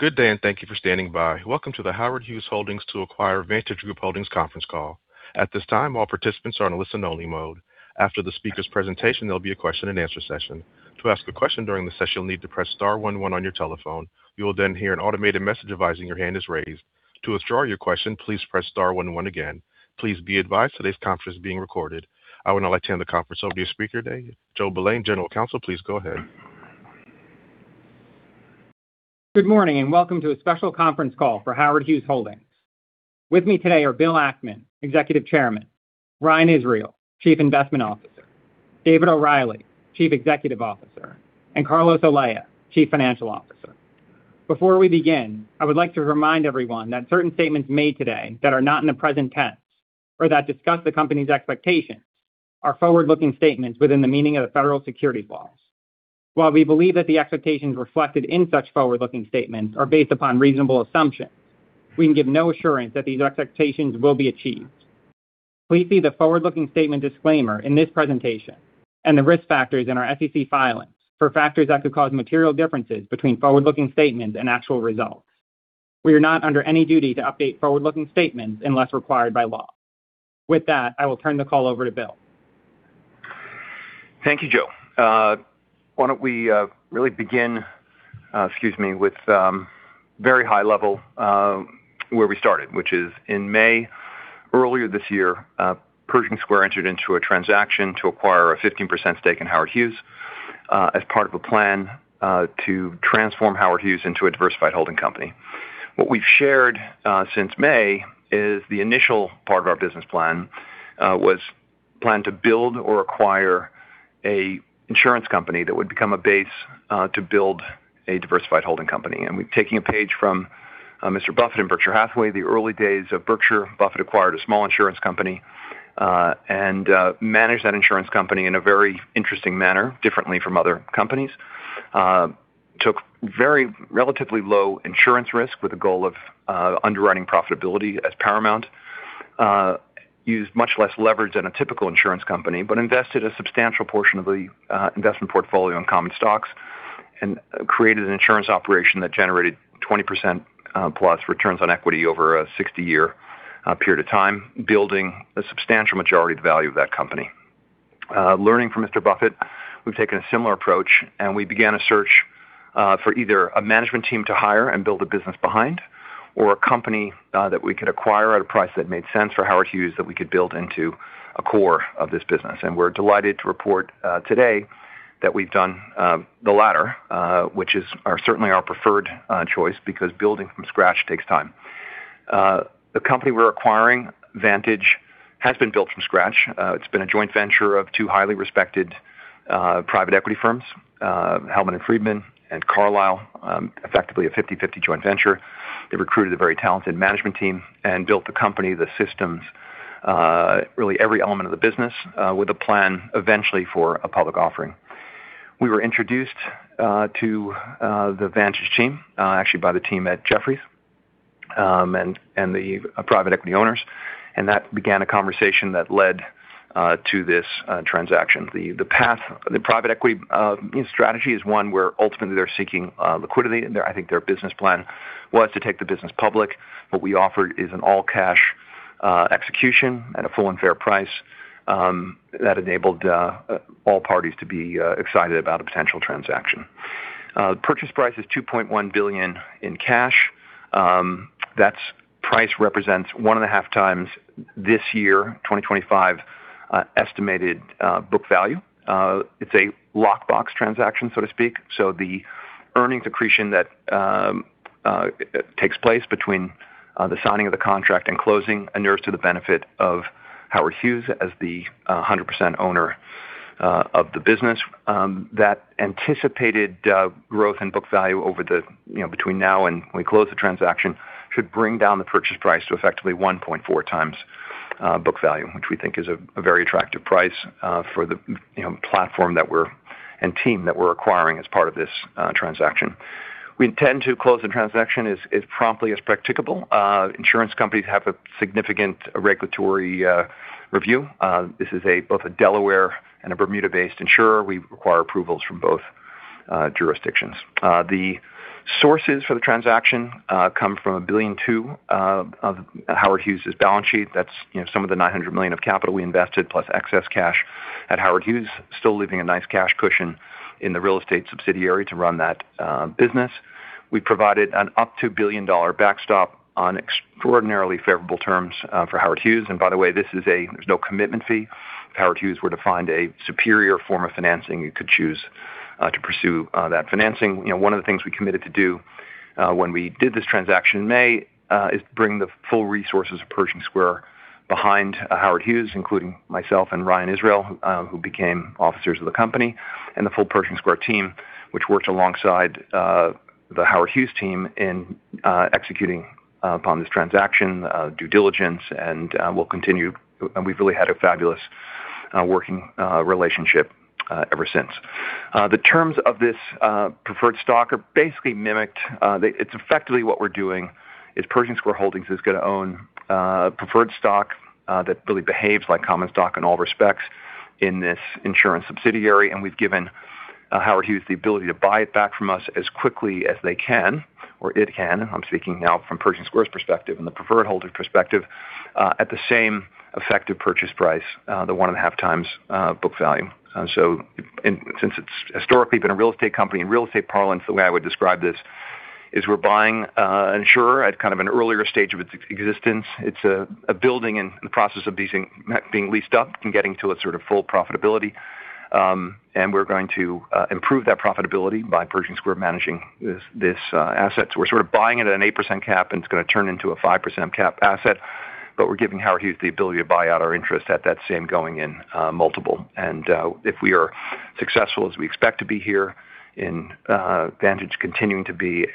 Good day, and thank you for standing by. Welcome to the Howard Hughes Holdings to Acquire Vantage Group Holdings conference call. At this time, all participants are on a listen-only mode. After the speaker's presentation, there'll be a question-and-answer session. To ask a question during the session, you'll need to press star one one on your telephone. You will then hear an automated message advising your hand is raised. To withdraw your question, please press star one one again. Please be advised today's conference is being recorded. I will now like to turn the conference over to your speaker, David. Joe Valane, General Counsel, please go ahead. Good morning, and welcome to a special conference call for Howard Hughes Holdings. With me today are Bill Ackman, Executive Chairman; Ryan Israel, Chief Investment Officer; David O'Reilly, Chief Executive Officer; and Carlos Olea, Chief Financial Officer. Before we begin, I would like to remind everyone that certain statements made today that are not in the present tense or that discuss the company's expectations are forward-looking statements within the meaning of the federal securities laws. While we believe that the expectations reflected in such forward-looking statements are based upon reasonable assumptions, we can give no assurance that these expectations will be achieved. Please see the forward-looking statement disclaimer in this presentation and the Risk Factors in our SEC filings for factors that could cause material differences between forward-looking statements and actual results. We are not under any duty to update forward-looking statements unless required by law. With that, I will turn the call over to Bill. Thank you, Joe. Why don't we really begin, excuse me, with very high level where we started, which is in May earlier this year, Pershing Square entered into a transaction to acquire a 15% stake in Howard Hughes as part of a plan to transform Howard Hughes into a diversified holding company. What we've shared since May is the initial part of our business plan was planned to build or acquire an insurance company that would become a base to build a diversified holding company. And we're taking a page from Mr. Buffett and Berkshire Hathaway. The early days of Berkshire, Buffett acquired a small insurance company and managed that insurance company in a very interesting manner, differently from other companies. Took very relatively low insurance risk with a goal of underwriting profitability as paramount. Used much less leverage than a typical insurance company, but invested a substantial portion of the investment portfolio in common stocks and created an insurance operation that generated 20% plus returns on equity over a 60-year period of time, building a substantial majority of the value of that company. Learning from Mr. Buffett, we've taken a similar approach, and we began a search for either a management team to hire and build a business behind or a company that we could acquire at a price that made sense for Howard Hughes that we could build into a core of this business, and we're delighted to report today that we've done the latter, which is certainly our preferred choice because building from scratch takes time. The company we're acquiring, Vantage, has been built from scratch. It's been a joint venture of two highly respected private equity firms, Hellman & Friedman and Carlyle, effectively a 50/50 joint venture. They recruited a very talented management team and built the company, the systems, really every element of the business with a plan eventually for a public offering. We were introduced to the Vantage team, actually by the team at Jefferies and the private equity owners, and that began a conversation that led to this transaction. The private equity strategy is one where ultimately they're seeking liquidity, and I think their business plan was to take the business public. What we offered is an all-cash execution at a full and fair price that enabled all parties to be excited about a potential transaction. The purchase price is $2.1 billion in cash. That price represents 1.5x this year, 2025, estimated book value. It's a lockbox transaction, so to speak. So the earnings accretion that takes place between the signing of the contract and closing inures to the benefit of Howard Hughes as the 100% owner of the business. That anticipated growth in book value between now and when we close the transaction should bring down the purchase price to effectively 1.4x book value, which we think is a very attractive price for the platform and team that we're acquiring as part of this transaction. We intend to close the transaction as promptly as practicable. Insurance companies have a significant regulatory review. This is both a Delaware and a Bermuda-based insurer. We require approvals from both jurisdictions. The sources for the transaction come from $1 billion too on Howard Hughes' balance sheet. That's some of the $900 million of capital we invested plus excess cash at Howard Hughes, still leaving a nice cash cushion in the real estate subsidiary to run that business. We provided an up to $1 billion-dollar backstop on extraordinarily favorable terms for Howard Hughes. And by the way, there's no commitment fee. If Howard Hughes were to find a superior form of financing, you could choose to pursue that financing. One of the things we committed to do when we did this transaction in May is bring the full resources of Pershing Square behind Howard Hughes, including myself and Ryan Israel, who became officers of the company, and the full Pershing Square team, which worked alongside the Howard Hughes team in executing upon this transaction, due diligence, and we'll continue. And we've really had a fabulous working relationship ever since. The terms of this preferred stock are basically mimicked. It's effectively what we're doing, is Pershing Square Holdings is going to own preferred stock that really behaves like common stock in all respects in this insurance subsidiary. And we've given Howard Hughes the ability to buy it back from us as quickly as they can, or it can. I'm speaking now from Pershing Square's perspective and the preferred holder's perspective at the same effective purchase price, the one and a half times book value. So since it's historically been a real estate company and real estate parlance, the way I would describe this is we're buying an insurer at kind of an earlier stage of its existence. It's a building in the process of being leased up and getting to a sort of full profitability. And we're going to improve that profitability by Pershing Square managing this asset. So we're sort of buying it at an 8% cap, and it's going to turn into a 5% cap asset. But we're giving Howard Hughes the ability to buy out our interest at that same going in multiple. And if we are successful as we expect to be here in Vantage continuing to be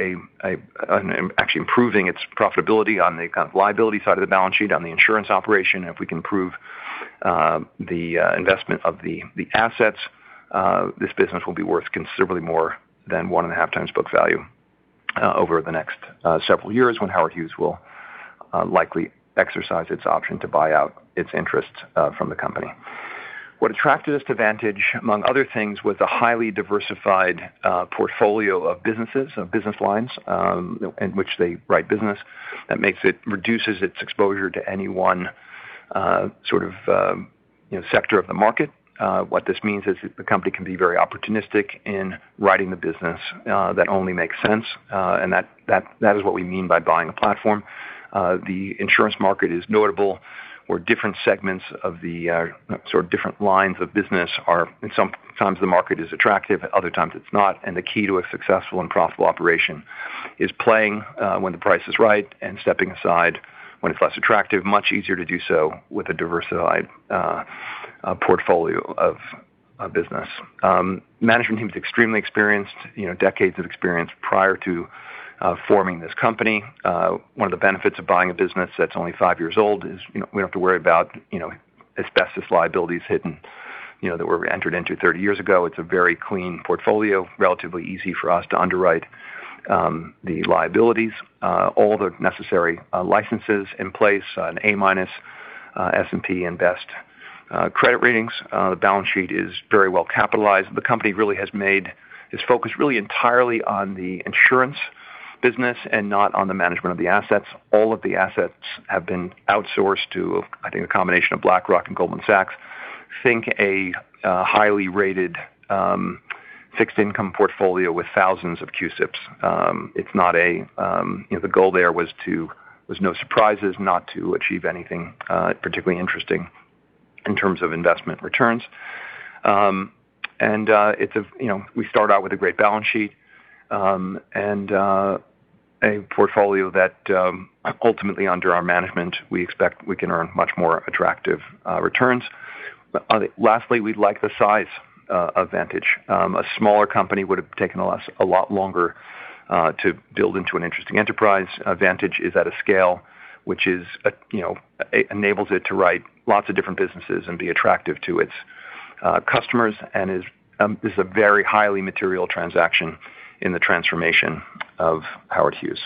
actually improving its profitability on the kind of liability side of the balance sheet on the insurance operation, and if we can prove the investment of the assets, this business will be worth considerably more than 1.5x book value over the next several years when Howard Hughes will likely exercise its option to buy out its interest from the company. What attracted us to Vantage, among other things, was a highly diversified portfolio of businesses, of business lines in which they write business that reduces its exposure to any one sort of sector of the market. What this means is that the company can be very opportunistic in writing the business that only makes sense, and that is what we mean by buying a platform. The insurance market is notable where different segments of the sort of different lines of business are. At times, the market is attractive. At other times, it's not, and the key to a successful and profitable operation is playing when the price is right and stepping aside when it's less attractive. Much easier to do so with a diversified portfolio of business. Management team is extremely experienced, decades of experience prior to forming this company. One of the benefits of buying a business that's only five years old is we don't have to worry about asbestos liabilities hidden that were entered into 30 years ago. It's a very clean portfolio, relatively easy for us to underwrite the liabilities, all the necessary licenses in place, an A- S&P and AM Best Credit Ratings. The balance sheet is very well capitalized. The company really has made its focus really entirely on the insurance business and not on the management of the assets. All of the assets have been outsourced to, I think, a combination of BlackRock and Goldman Sachs. Think a highly rated fixed income portfolio with thousands of CUSIPs. It's not that the goal there was no surprises, not to achieve anything particularly interesting in terms of investment returns. And we start out with a great balance sheet and a portfolio that ultimately, under our management, we expect we can earn much more attractive returns. Lastly, we'd like the size of Vantage. A smaller company would have taken a lot longer to build into an interesting enterprise. Vantage is at a scale which enables it to write lots of different businesses and be attractive to its customers and is a very highly material transaction in the transformation of Howard Hughes.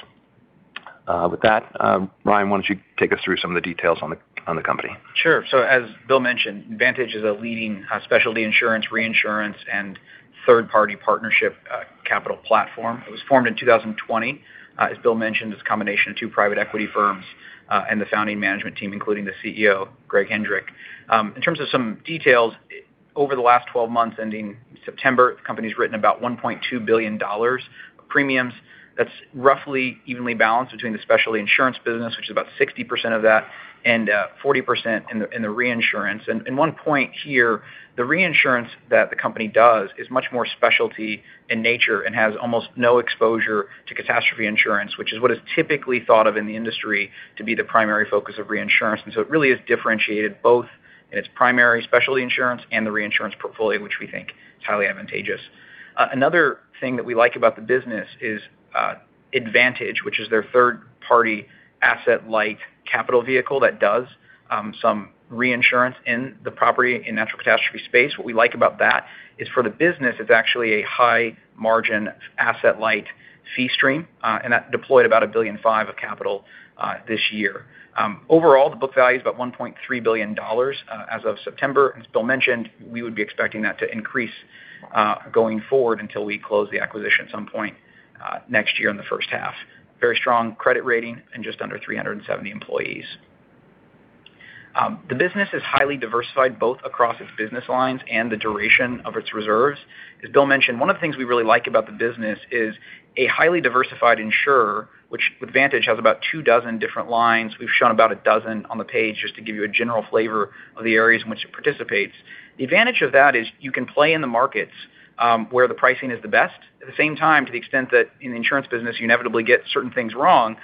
With that, Ryan, why don't you take us through some of the details on the company? Sure. So as Bill mentioned, Vantage is a leading specialty insurance, reinsurance, and third-party partnership capital platform. It was formed in 2020, as Bill mentioned, as a combination of two private equity firms and the founding management team, including the CEO, Greg Hendrick. In terms of some details, over the last 12 months, ending September, the company has written about $1.2 billion of premiums. That's roughly evenly balanced between the specialty insurance business, which is about 60% of that, and 40% in the reinsurance. And one point here, the reinsurance that the company does is much more specialty in nature and has almost no exposure to catastrophe insurance, which is what is typically thought of in the industry to be the primary focus of reinsurance. And so it really is differentiated both in its primary specialty insurance and the reinsurance portfolio, which we think is highly advantageous. Another thing that we like about the business is AdVantage, which is their third-party asset-light capital vehicle that does some reinsurance in the property in natural catastrophe space. What we like about that is for the business, it's actually a high-margin asset-light fee stream, and that deployed about $1.5 billion of capital this year. Overall, the book value is about $1.3 billion as of September. As Bill mentioned, we would be expecting that to increase going forward until we close the acquisition at some point next year in the first half. Very strong credit rating and just under 370 employees. The business is highly diversified both across its business lines and the duration of its reserves. As Bill mentioned, one of the things we really like about the business is a highly diversified insurer, which with Vantage has about two dozen different lines. We've shown about a dozen on the page just to give you a general flavor of the areas in which it participates. The advantage of that is you can play in the markets where the pricing is the best. At the same time, to the extent that in the insurance business, you inevitably get certain things wrong,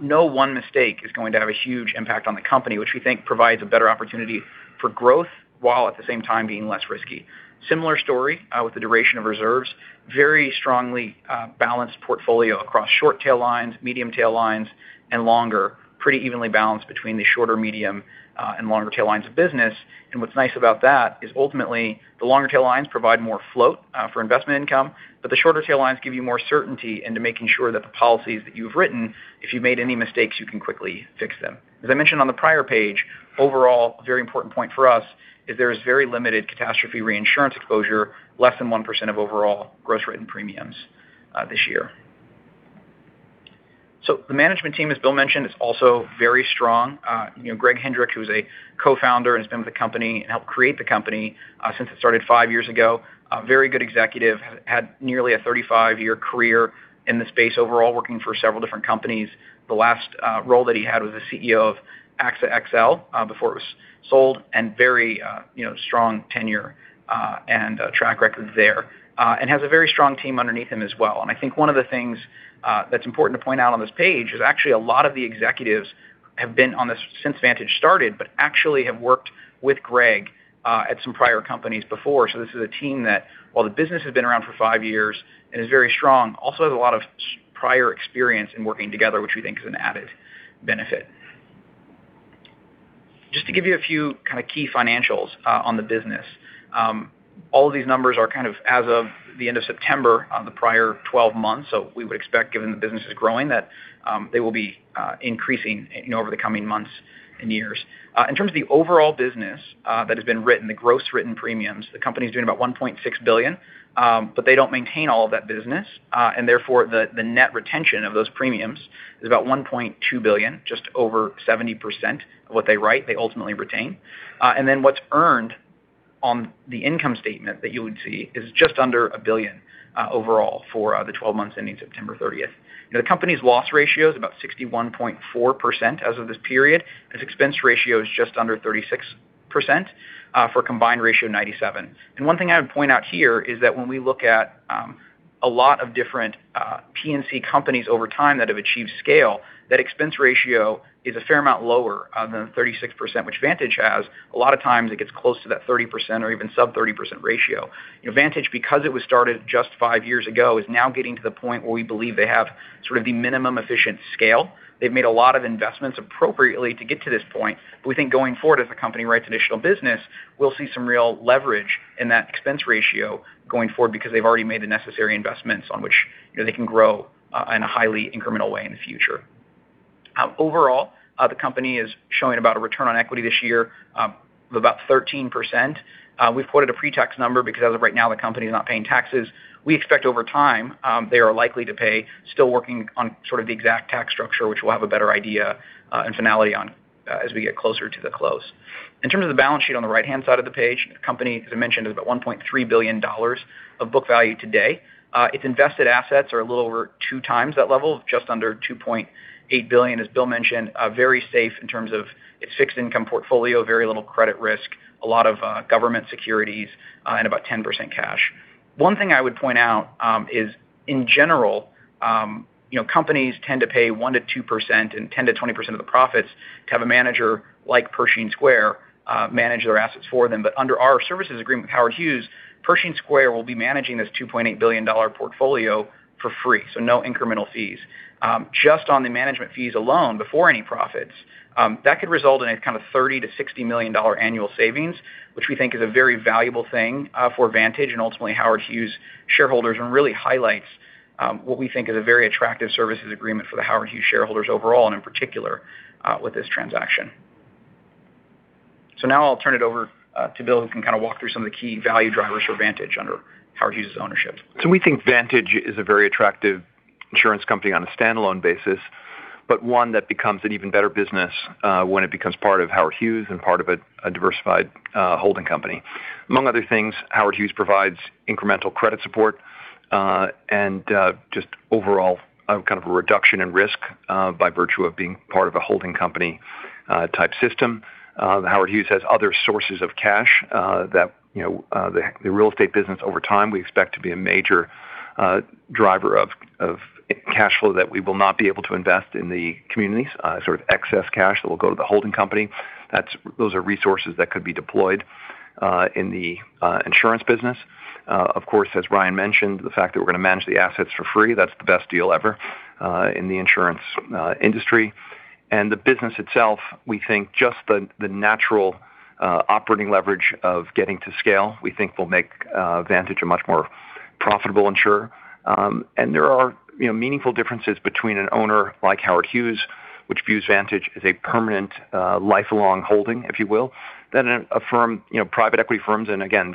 no one mistake is going to have a huge impact on the company, which we think provides a better opportunity for growth while at the same time being less risky. Similar story with the duration of reserves. Very strongly balanced portfolio across short tail lines, medium tail lines, and longer, pretty evenly balanced between the shorter, medium, and longer tail lines of business. What's nice about that is ultimately the longer tail lines provide more float for investment income, but the shorter tail lines give you more certainty into making sure that the policies that you've written, if you've made any mistakes, you can quickly fix them. As I mentioned on the prior page, overall, a very important point for us is there is very limited catastrophe reinsurance exposure, less than 1% of overall gross written premiums this year. So the management team, as Bill mentioned, is also very strong. Greg Hendrick, who is a co-founder and has been with the company and helped create the company since it started five years ago, very good executive, had nearly a 35-year career in the space overall, working for several different companies. The last role that he had was the CEO of AXA XL before it was sold and very strong tenure and track record there, and has a very strong team underneath him as well. And I think one of the things that's important to point out on this page is actually a lot of the executives have been on this since Vantage started, but actually have worked with Greg at some prior companies before, so this is a team that, while the business has been around for five years and is very strong, also has a lot of prior experience in working together, which we think is an added benefit. Just to give you a few kind of key financials on the business, all of these numbers are kind of as of the end of September, the prior 12 months. We would expect, given the business is growing, that they will be increasing over the coming months and years. In terms of the overall business that has been written, the gross written premiums, the company is doing about $1.6 billion, but they don't maintain all of that business. And therefore, the net retention of those premiums is about $1.2 billion, just over 70% of what they write, they ultimately retain. And then what's earned on the income statement that you would see is just under $1 billion overall for the 12 months ending September 30th. The company's loss ratio is about 61.4% as of this period. Its expense ratio is just under 36% for a combined ratio of 97%. And one thing I would point out here is that when we look at a lot of different P&C companies over time that have achieved scale, that expense ratio is a fair amount lower than the 36%, which Vantage has. A lot of times, it gets close to that 30% or even sub-30% ratio. Vantage, because it was started just five years ago, is now getting to the point where we believe they have sort of the minimum efficient scale. They've made a lot of investments appropriately to get to this point. But we think going forward, as the company writes additional business, we'll see some real leverage in that expense ratio going forward because they've already made the necessary investments on which they can grow in a highly incremental way in the future. Overall, the company is showing about a return on equity this year of about 13%. We've quoted a pretax number because as of right now, the company is not paying taxes. We expect over time they are likely to pay. Still working on sort of the exact tax structure, which we'll have a better idea and finality on as we get closer to the close. In terms of the balance sheet on the right-hand side of the page, the company, as I mentioned, is about $1.3 billion of book value today. Its invested assets are a little over two times that level, just under $2.8 billion, as Bill mentioned, very safe in terms of its fixed income portfolio, very little credit risk, a lot of government securities, and about 10% cash. One thing I would point out is, in general, companies tend to pay 1%-2% and 10%-20% of the profits to have a manager like Pershing Square manage their assets for them. But under our services agreement with Howard Hughes, Pershing Square will be managing this $2.8 billion portfolio for free, so no incremental fees. Just on the management fees alone before any profits, that could result in a kind of $30-$60 million annual savings, which we think is a very valuable thing for Vantage and ultimately Howard Hughes shareholders and really highlights what we think is a very attractive services agreement for the Howard Hughes shareholders overall and in particular with this transaction. So now I'll turn it over to Bill, who can kind of walk through some of the key value drivers for Vantage under Howard Hughes' ownership. So we think Vantage is a very attractive insurance company on a standalone basis, but one that becomes an even better business when it becomes part of Howard Hughes and part of a diversified holding company. Among other things, Howard Hughes provides incremental credit support and just overall kind of a reduction in risk by virtue of being part of a holding company type system. Howard Hughes has other sources of cash that the real estate business over time we expect to be a major driver of cash flow that we will not be able to invest in the communities, sort of excess cash that will go to the holding company. Those are resources that could be deployed in the insurance business. Of course, as Ryan mentioned, the fact that we're going to manage the assets for free, that's the best deal ever in the insurance industry. And the business itself, we think just the natural operating leverage of getting to scale, we think will make Vantage a much more profitable insurer. And there are meaningful differences between an owner like Howard Hughes, which views Vantage as a permanent lifelong holding, if you will, than a firm, private equity firms. And again,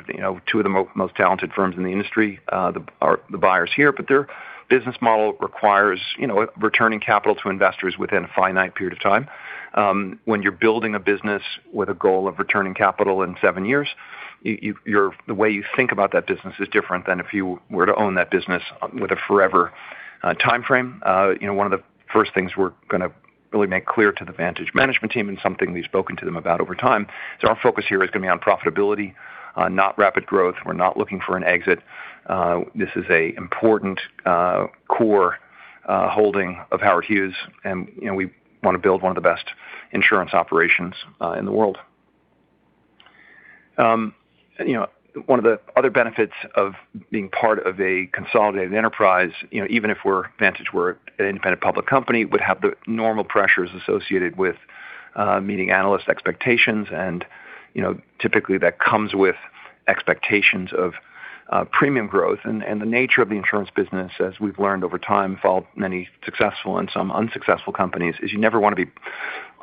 two of the most talented firms in the industry are the buyers here. But their business model requires returning capital to investors within a finite period of time. When you're building a business with a goal of returning capital in seven years, the way you think about that business is different than if you were to own that business with a forever time frame. One of the first things we're going to really make clear to the Vantage management team and something we've spoken to them about over time is our focus here is going to be on profitability, not rapid growth. We're not looking for an exit. This is an important core holding of Howard Hughes, and we want to build one of the best insurance operations in the world. One of the other benefits of being part of a consolidated enterprise, even if Vantage were an independent public company, would have the normal pressures associated with meeting analyst expectations, and typically, that comes with expectations of premium growth, and the nature of the insurance business, as we've learned over time, following many successful and some unsuccessful companies, is you never want to be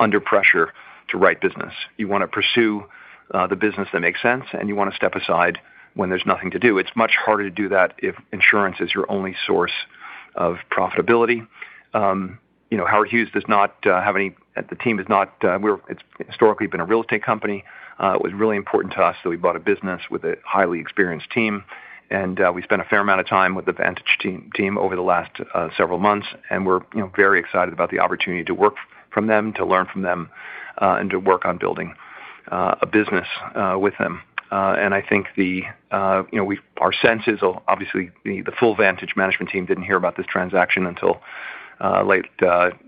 under pressure to write business. You want to pursue the business that makes sense, and you want to step aside when there's nothing to do. It's much harder to do that if insurance is your only source of profitability. Howard Hughes does not have any. The team has not historically been a real estate company. It was really important to us that we bought a business with a highly experienced team. And we spent a fair amount of time with the Vantage team over the last several months, and we're very excited about the opportunity to work with them, to learn from them, and to work on building a business with them. And I think our sense is, obviously, the full Vantage management team didn't hear about this transaction until late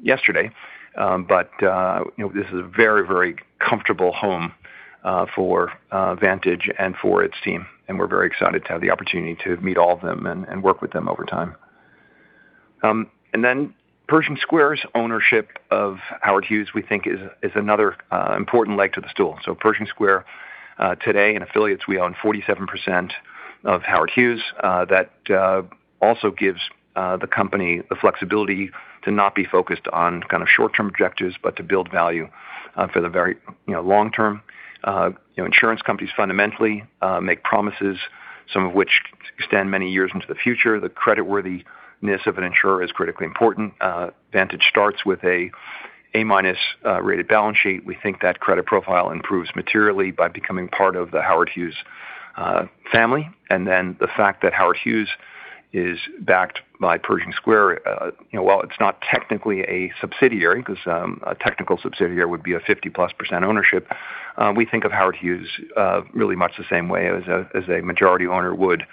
yesterday. But this is a very, very comfortable home for Vantage and for its team. We're very excited to have the opportunity to meet all of them and work with them over time. Pershing Square's ownership of Howard Hughes, we think, is another important leg to the stool. Pershing Square today and affiliates own 47% of Howard Hughes. That also gives the company the flexibility to not be focused on kind of short-term objectives, but to build value for the very long term. Insurance companies fundamentally make promises, some of which extend many years into the future. The creditworthiness of an insurer is critically important. Vantage starts with an A-rated balance sheet. We think that credit profile improves materially by becoming part of the Howard Hughes family. And then the fact that Howard Hughes is backed by Pershing Square, while it's not technically a subsidiary, because a technical subsidiary would be a 50+% ownership. We think of Howard Hughes really much the same way as a majority owner would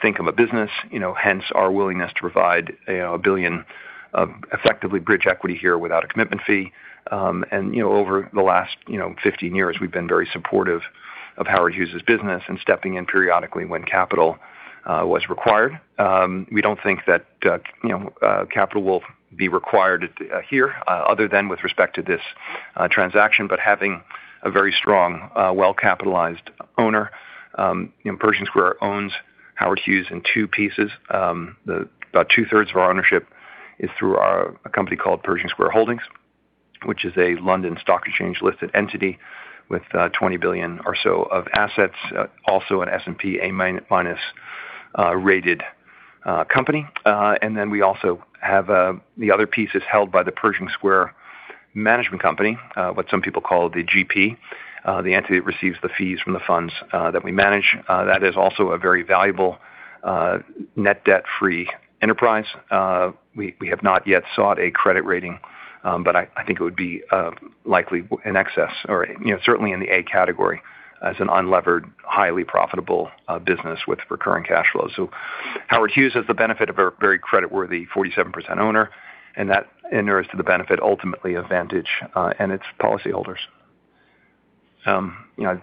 think of a business, hence our willingness to provide $1 billion of effectively bridge equity here without a commitment fee. And over the last 15 years, we've been very supportive of Howard Hughes' business and stepping in periodically when capital was required. We don't think that capital will be required here other than with respect to this transaction. But having a very strong, well-capitalized owner, Pershing Square owns Howard Hughes in two pieces. About two-thirds of our ownership is through a company called Pershing Square Holdings, which is a London Stock Exchange-listed entity with $20 billion or so of assets, also an S&P A- rated company. And then we also have the other piece is held by the Pershing Square Management Company, what some people call the GP, the entity that receives the fees from the funds that we manage. That is also a very valuable net debt-free enterprise. We have not yet sought a credit rating, but I think it would be likely in excess or certainly in the A category as an unlevered, highly profitable business with recurring cash flows. So Howard Hughes has the benefit of a very creditworthy 47% owner, and that inures to the benefit ultimately of Vantage and its policyholders. We have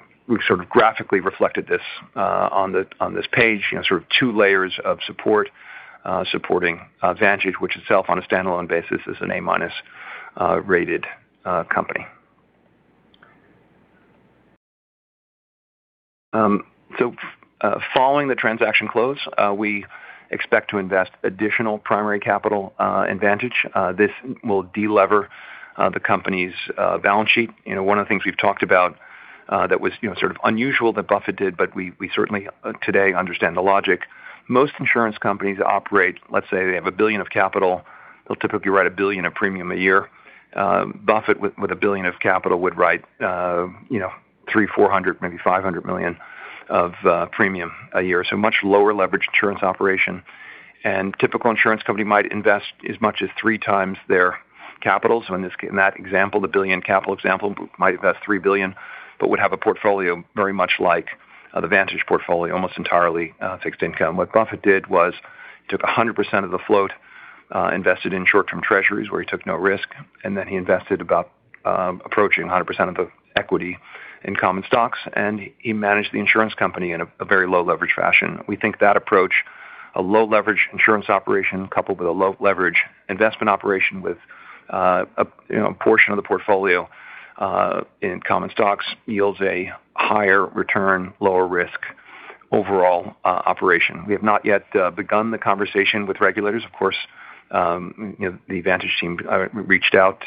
sort of graphically reflected this on this page, sort of two layers of support supporting Vantage, which itself, on a standalone basis, is an A- rated company. So following the transaction close, we expect to invest additional primary capital in Vantage. This will delever the company's balance sheet. One of the things we've talked about that was sort of unusual that Buffett did, but we certainly today understand the logic. Most insurance companies operate. Let's say they have a billion of capital. They'll typically write a billion of premium a year. Buffett, with a billion of capital, would write 3, 400, maybe 500 million of premium a year. So much lower leverage insurance operation, and a typical insurance company might invest as much as three times their capital, so in that example, the billion capital example, might invest 3 billion, but would have a portfolio very much like the Vantage portfolio, almost entirely fixed income. What Buffett did was took 100% of the float, invested in short-term treasuries where he took no risk, and then he invested about approaching 100% of the equity in common stocks, and he managed the insurance company in a very low leverage fashion. We think that approach, a low leverage insurance operation coupled with a low leverage investment operation with a portion of the portfolio in common stocks, yields a higher return, lower risk overall operation. We have not yet begun the conversation with regulators. Of course, the Vantage team reached out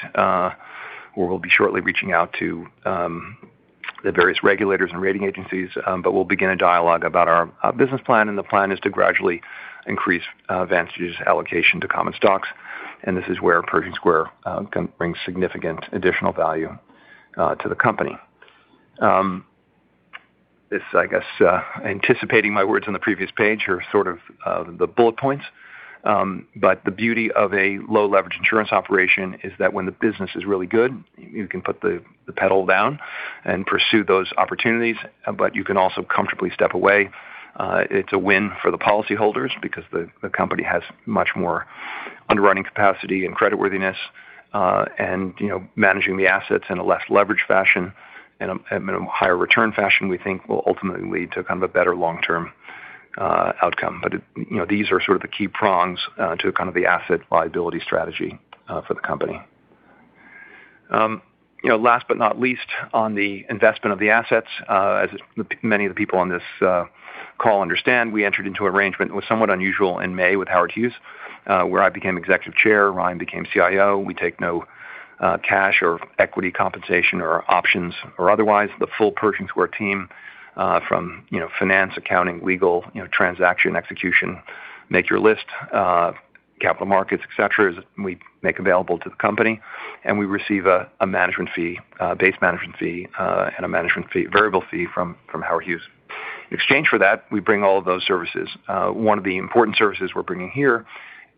or will be shortly reaching out to the various regulators and rating agencies, but we'll begin a dialogue about our business plan, and the plan is to gradually increase Vantage's allocation to common stocks, and this is where Pershing Square can bring significant additional value to the company. This, I guess, anticipating my words on the previous page are sort of the bullet points, but the beauty of a low leverage insurance operation is that when the business is really good, you can put the pedal down and pursue those opportunities, but you can also comfortably step away. It's a win for the policyholders because the company has much more underwriting capacity and creditworthiness, and managing the assets in a less leverage fashion and a higher return fashion, we think, will ultimately lead to kind of a better long-term outcome, but these are sort of the key prongs to kind of the asset liability strategy for the company. Last but not least, on the investment of the assets, as many of the people on this call understand, we entered into an arrangement that was somewhat unusual in May with Howard Hughes, where I became Executive Chair, Ryan became CIO. We take no cash or equity compensation or options or otherwise. The full Pershing Square team from finance, accounting, legal, transaction execution, make your list, capital markets, etc., we make available to the company. We receive a management fee, base management fee, and a management fee, variable fee from Howard Hughes. In exchange for that, we bring all of those services. One of the important services we're bringing here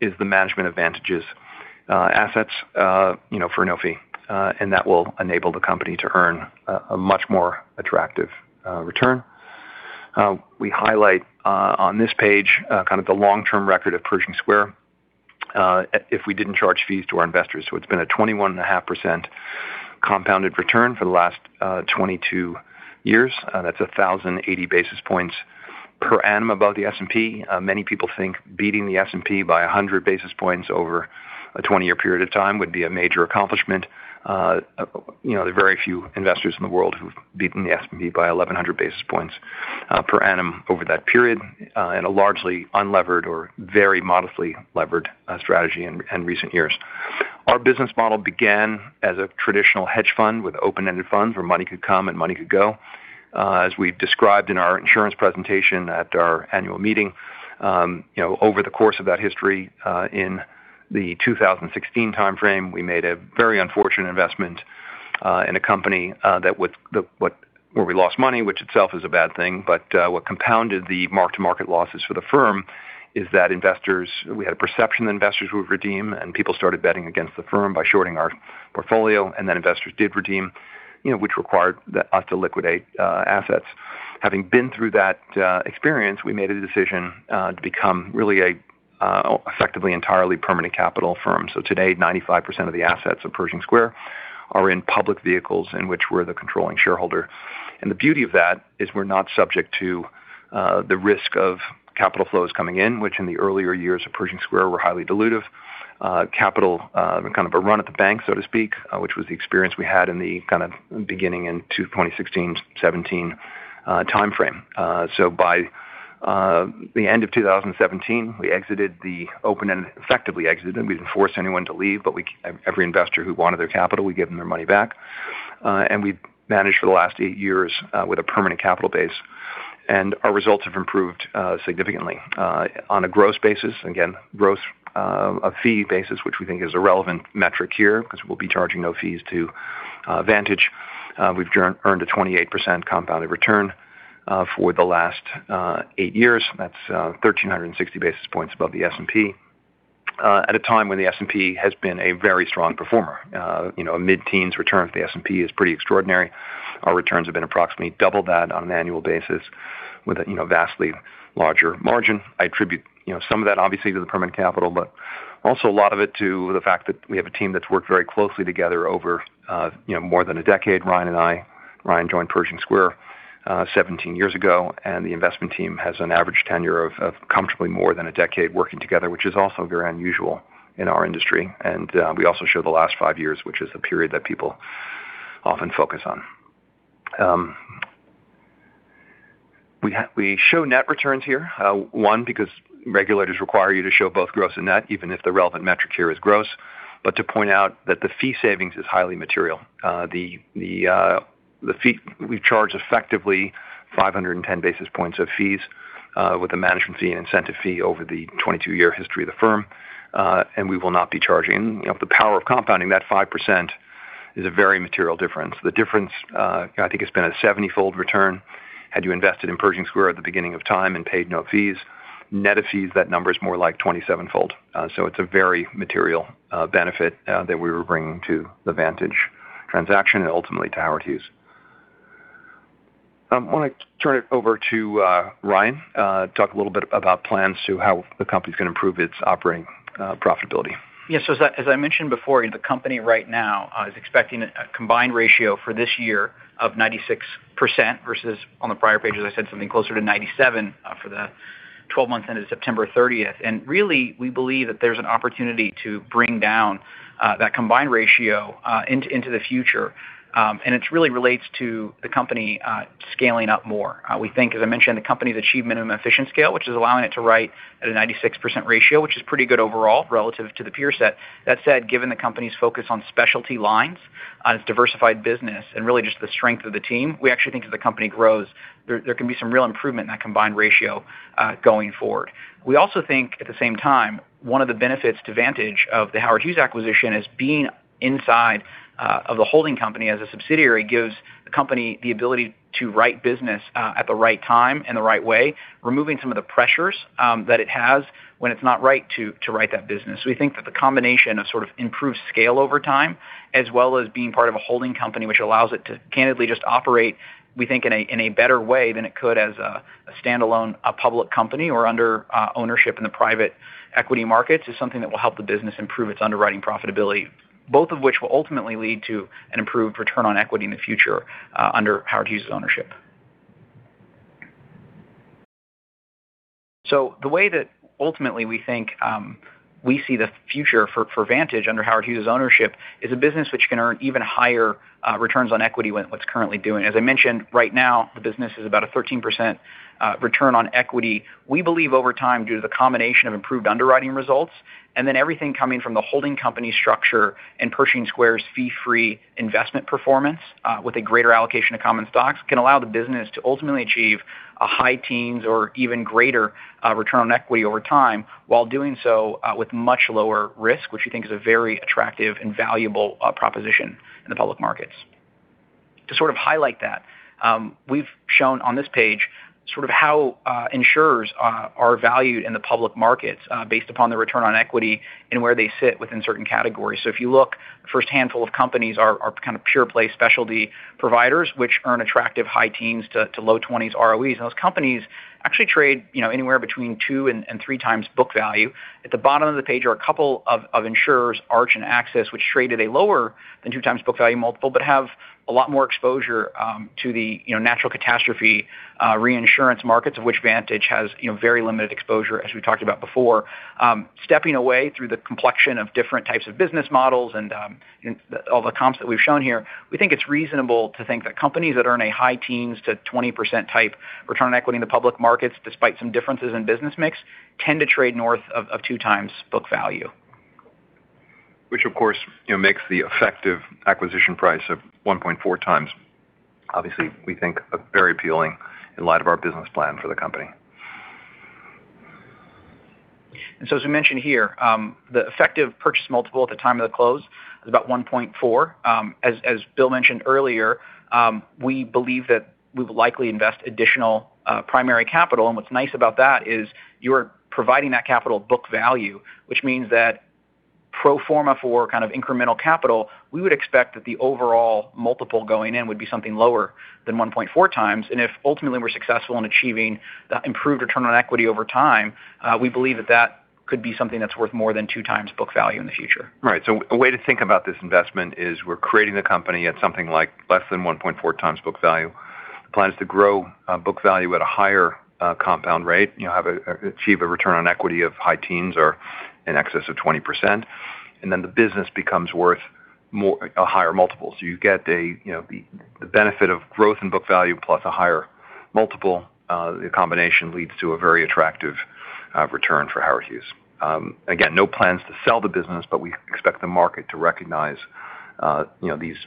is the management of Vantage's assets for no fee. That will enable the company to earn a much more attractive return. We highlight on this page kind of the long-term record of Pershing Square if we didn't charge fees to our investors. It's been a 21.5% compounded return for the last 22 years. That's 1,080 basis points per annum above the S&P. Many people think beating the S&P by 100 basis points over a 20-year period of time would be a major accomplishment. There are very few investors in the world who've beaten the S&P by 1,100 basis points per annum over that period in a largely unlevered or very modestly levered strategy in recent years. Our business model began as a traditional hedge fund with open-ended funds where money could come and money could go. As we've described in our insurance presentation at our annual meeting, over the course of that history in the 2016 timeframe, we made a very unfortunate investment in a company where we lost money, which itself is a bad thing. But what compounded the mark-to-market losses for the firm is that investors, we had a perception that investors would redeem, and people started betting against the firm by shorting our portfolio. And then investors did redeem, which required us to liquidate assets. Having been through that experience, we made a decision to become really an effectively entirely permanent capital firm, so today, 95% of the assets of Pershing Square are in public vehicles in which we're the controlling shareholder. And the beauty of that is we're not subject to the risk of capital flows coming in, which in the earlier years of Pershing Square were highly dilutive, capital kind of a run at the bank, so to speak, which was the experience we had in the kind of beginning in 2016, 2017 timeframe. So by the end of 2017, we exited the open-ended effectively exited. We didn't force anyone to leave, but every investor who wanted their capital, we gave them their money back, and we've managed for the last eight years with a permanent capital base, and our results have improved significantly. On a gross basis, again, gross fee basis, which we think is a relevant metric here because we'll be charging no fees to Vantage, we've earned a 28% compounded return for the last eight years. That's 1,360 basis points above the S&P at a time when the S&P has been a very strong performer. A mid-teens return for the S&P is pretty extraordinary. Our returns have been approximately double that on an annual basis with a vastly larger margin. I attribute some of that, obviously, to the permanent capital, but also a lot of it to the fact that we have a team that's worked very closely together over more than a decade. Ryan and I, Ryan joined Pershing Square 17 years ago, and the investment team has an average tenure of comfortably more than a decade working together, which is also very unusual in our industry. We also show the last five years, which is the period that people often focus on. We show net returns here, one, because regulators require you to show both gross and net, even if the relevant metric here is gross, but to point out that the fee savings is highly material. We charge effectively 510 basis points of fees with a management fee and incentive fee over the 22-year history of the firm. We will not be charging the power of compounding. That 5% is a very material difference. The difference, I think, has been a 70-fold return had you invested in Pershing Square at the beginning of time and paid no fees. Net of fees, that number is more like 27-fold. It's a very material benefit that we were bringing to the Vantage transaction and ultimately to Howard Hughes. I want to turn it over to Ryan to talk a little bit about plans to how the company is going to improve its operating profitability. Yeah, so as I mentioned before, the company right now is expecting a combined ratio for this year of 96% versus on the prior page, as I said, something closer to 97% for the 12 months ended September 30th, and really, we believe that there's an opportunity to bring down that combined ratio into the future, and it really relates to the company scaling up more. We think, as I mentioned, the company's achieved minimum efficient scale, which is allowing it to write at a 96% ratio, which is pretty good overall relative to the peer set. That said, given the company's focus on specialty lines and its diversified business and really just the strength of the team, we actually think as the company grows, there can be some real improvement in that combined ratio going forward. We also think at the same time, one of the benefits to Vantage of the Howard Hughes acquisition is being inside of the holding company as a subsidiary gives the company the ability to write business at the right time and the right way, removing some of the pressures that it has when it's not right to write that business. We think that the combination of sort of improved scale over time as well as being part of a holding company, which allows it to candidly just operate, we think, in a better way than it could as a standalone public company or under ownership in the private equity markets, is something that will help the business improve its underwriting profitability, both of which will ultimately lead to an improved return on equity in the future under Howard Hughes' ownership. So the way that ultimately we think we see the future for Vantage under Howard Hughes' ownership is a business which can earn even higher returns on equity than what it's currently doing. As I mentioned, right now, the business is about a 13% return on equity. We believe over time due to the combination of improved underwriting results and then everything coming from the holding company structure and Pershing Square's fee-free investment performance with a greater allocation of common stocks can allow the business to ultimately achieve a high teens or even greater return on equity over time while doing so with much lower risk, which we think is a very attractive and valuable proposition in the public markets. To sort of highlight that, we've shown on this page sort of how insurers are valued in the public markets based upon their return on equity and where they sit within certain categories. So if you look, the first handful of companies are kind of pure play specialty providers, which earn attractive high teens to low 20s ROEs. And those companies actually trade anywhere between two and three times book value. At the bottom of the page are a couple of insurers, Arch and AXIS, which traded at lower than 2x book value multiple, but have a lot more exposure to the natural catastrophe reinsurance markets, of which Vantage has very limited exposure, as we talked about before. Stepping away from the complexity of different types of business models and all the comps that we've shown here, we think it's reasonable to think that companies that earn a high teens to 20% type return on equity in the public markets, despite some differences in business mix, tend to trade north of two times book value. Which, of course, makes the effective acquisition price of 1.4x, obviously, we think, very appealing in light of our business plan for the company. And so, as we mentioned here, the effective purchase multiple at the time of the close is about 1.4. As Bill mentioned earlier, we believe that we will likely invest additional primary capital. And what's nice about that is you're providing that capital book value, which means that pro forma for kind of incremental capital, we would expect that the overall multiple going in would be something lower than 1.4x. And if ultimately we're successful in achieving that improved return on equity over time, we believe that that could be something that's worth more than 2x book value in the future. Right. So a way to think about this investment is we're creating the company at something like less than 1.4x book value. The plan is to grow book value at a higher compound rate, achieve a return on equity of high teens or in excess of 20%. And then the business becomes worth a higher multiple. So you get the benefit of growth in book value plus a higher multiple. The combination leads to a very attractive return for Howard Hughes. Again, no plans to sell the business, but we expect the market to recognize these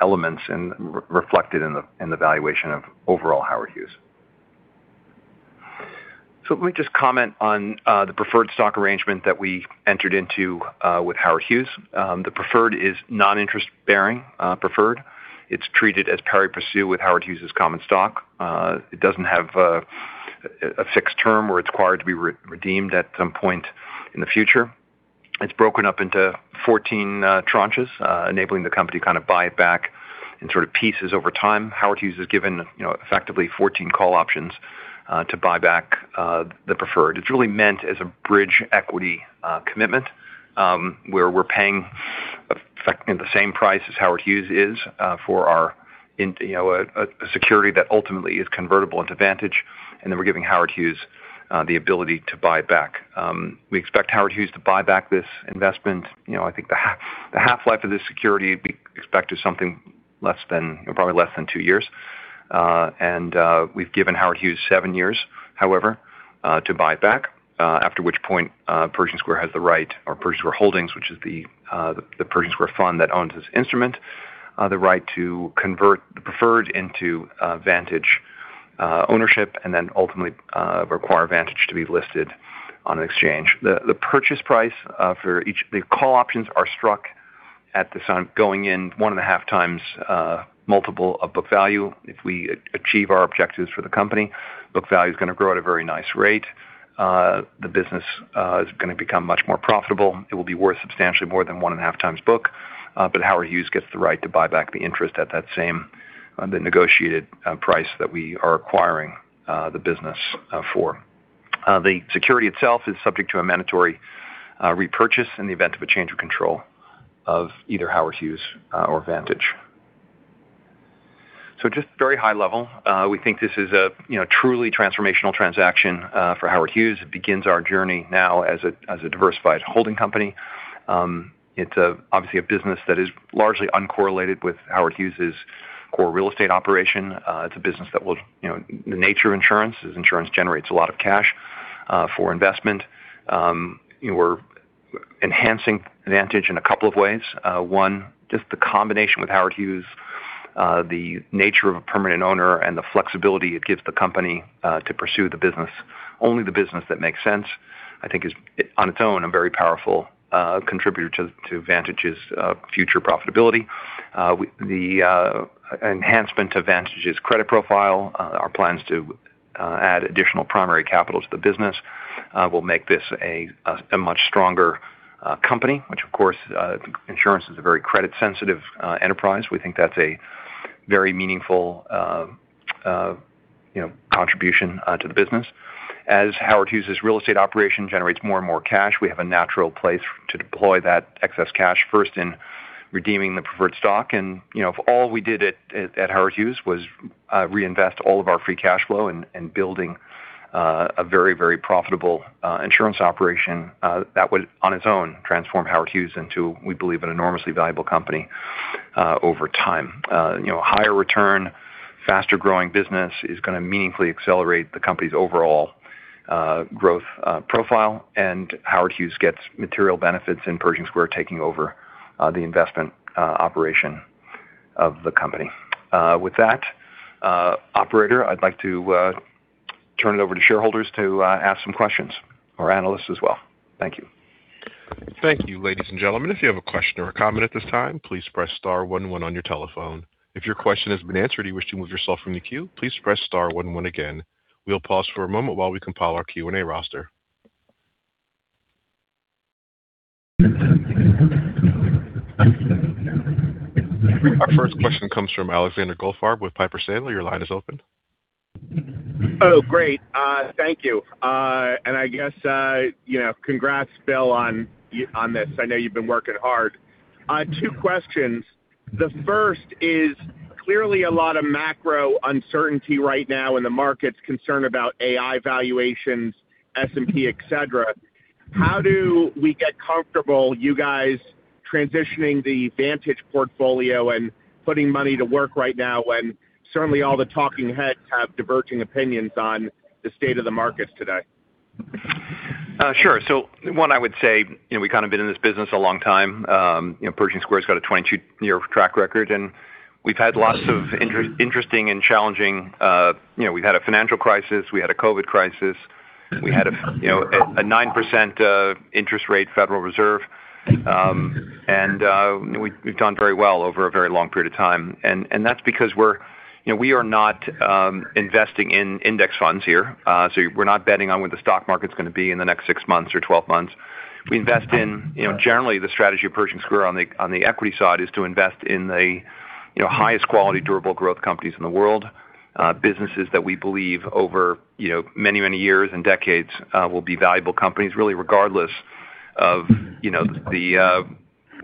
elements reflected in the valuation of overall Howard Hughes. So, let me just comment on the preferred stock arrangement that we entered into with Howard Hughes. The preferred is non-interest-bearing preferred. It's treated as pari passu with Howard Hughes' common stock. It doesn't have a fixed term where it's required to be redeemed at some point in the future. It's broken up into 14 tranches, enabling the company to kind of buy it back in sort of pieces over time. Howard Hughes is given effectively 14 call options to buy back the preferred. It's really meant as a bridge equity commitment where we're paying the same price as Howard Hughes is for our security that ultimately is convertible into Vantage. And then we're giving Howard Hughes the ability to buy back. We expect Howard Hughes to buy back this investment. I think the half-life of this security we expect is something less than probably less than two years. We've given Howard Hughes seven years, however, to buy it back, after which point Pershing Square has the right, or Pershing Square Holdings, which is the Pershing Square Fund that owns this instrument, the right to convert the preferred into Vantage ownership and then ultimately require Vantage to be listed on an exchange. The purchase price for each of the call options is struck at this time going in one and a half times multiple of book value. If we achieve our objectives for the company, book value is going to grow at a very nice rate. The business is going to become much more profitable. It will be worth substantially more than 1.5x book. Howard Hughes gets the right to buy back the interest at that same negotiated price that we are acquiring the business for. The security itself is subject to a mandatory repurchase in the event of a change of control of either Howard Hughes or Vantage. So just very high level, we think this is a truly transformational transaction for Howard Hughes. It begins our journey now as a diversified holding company. It's obviously a business that is largely uncorrelated with Howard Hughes' core real estate operation. It's a business. The nature of insurance is insurance generates a lot of cash for investment. We're enhancing Vantage in a couple of ways. One, just the combination with Howard Hughes, the nature of a permanent owner, and the flexibility it gives the company to pursue only the business that makes sense, I think, is on its own a very powerful contributor to Vantage's future profitability. The enhancement to Vantage's credit profile, our plans to add additional primary capital to the business will make this a much stronger company, which, of course, insurance is a very credit-sensitive enterprise. We think that's a very meaningful contribution to the business. As Howard Hughes' real estate operation generates more and more cash, we have a natural place to deploy that excess cash first in redeeming the preferred stock, and if all we did at Howard Hughes was reinvest all of our free cash flow and building a very, very profitable insurance operation, that would on its own transform Howard Hughes into, we believe, an enormously valuable company over time. Higher return, faster growing business is going to meaningfully accelerate the company's overall growth profile, and Howard Hughes gets material benefits in Pershing Square taking over the investment operation of the company. With that, operator, I'd like to turn it over to shareholders to ask some questions or analysts as well. Thank you. Thank you, ladies and gentlemen. If you have a question or a comment at this time, please press star one one on your telephone. If your question has been answered and you wish to move yourself from the queue, please press star one one again. We'll pause for a moment while we compile our Q&A roster. Our first question comes from Alexander Goldfarb with Piper Sandler. Your line is open. Oh, great. Thank you. And I guess congrats, Bill, on this. I know you've been working hard. Two questions. The first is clearly a lot of macro uncertainty right now in the markets, concern about AI valuations, S&P, etc. How do we get comfortable, you guys, transitioning the Vantage portfolio and putting money to work right now when certainly all the talking heads have diverging opinions on the state of the markets today? Sure. So one, I would say we've kind of been in this business a long time. Pershing Square's got a 22-year track record. And we've had lots of interesting and challenging, we've had a financial crisis. We had a COVID crisis. We had a 9% interest rate Federal Reserve. And we've done very well over a very long period of time. And that's because we're not investing in index funds here. So we're not betting on what the stock market's going to be in the next six months or 12 months. We invest in generally the strategy of Pershing Square on the equity side is to invest in the highest quality durable growth companies in the world, businesses that we believe over many, many years and decades will be valuable companies, really regardless of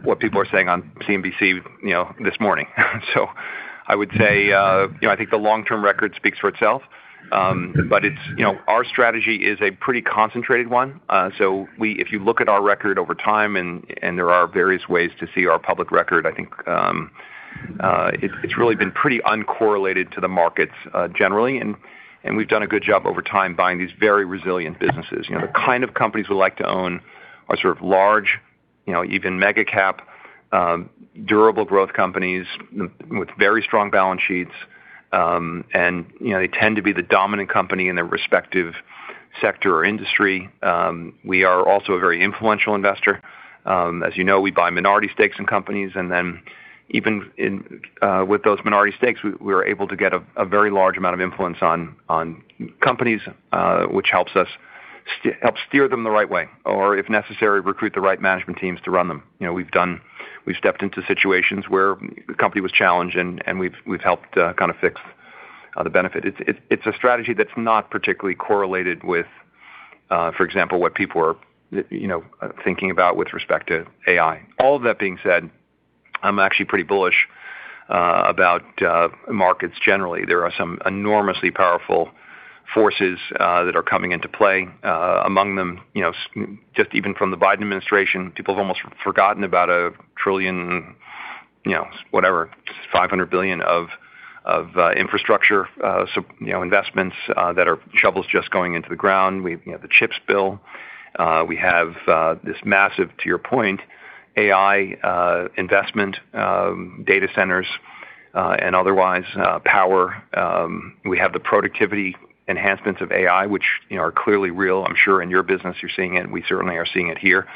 what people are saying on CNBC this morning. So I would say I think the long-term record speaks for itself. But our strategy is a pretty concentrated one. So if you look at our record over time and there are various ways to see our public record, I think it's really been pretty uncorrelated to the markets generally. And we've done a good job over time buying these very resilient businesses. The kind of companies we like to own are sort of large, even mega-cap durable growth companies with very strong balance sheets. And they tend to be the dominant company in their respective sector or industry. We are also a very influential investor. As you know, we buy minority stakes in companies. And then even with those minority stakes, we were able to get a very large amount of influence on companies, which helps us steer them the right way or, if necessary, recruit the right management teams to run them. We've stepped into situations where the company was challenged, and we've helped kind of fix the benefit. It's a strategy that's not particularly correlated with, for example, what people are thinking about with respect to AI. All of that being said, I'm actually pretty bullish about markets generally. There are some enormously powerful forces that are coming into play. Among them, just even from the Biden administration, people have almost forgotten about a trillion, whatever, 500 billion of infrastructure investments that are shovels just going into the ground. We have the chips, Bill. We have this massive, to your point, AI investment, data centers, and otherwise power. We have the productivity enhancements of AI, which are clearly real. I'm sure in your business you're seeing it. We certainly are seeing it here.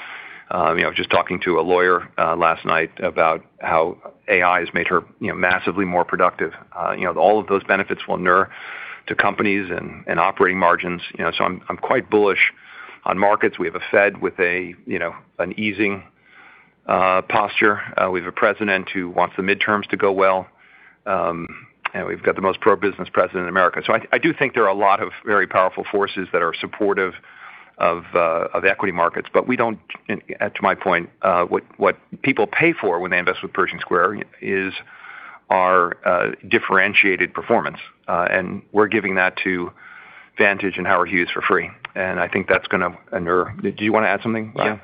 Just talking to a lawyer last night about how AI has made her massively more productive. All of those benefits will accrue to companies and operating margins. So I'm quite bullish on markets. We have a Fed with an easing posture. We have a president who wants the midterms to go well. And we've got the most pro-business president in America. So I do think there are a lot of very powerful forces that are supportive of equity markets. But we don't, to my point, what people pay for when they invest with Pershing Square is our differentiated performance. And we're giving that to Vantage and Howard Hughes for free. And I think that's going to endear. Did you want to add something? Yeah.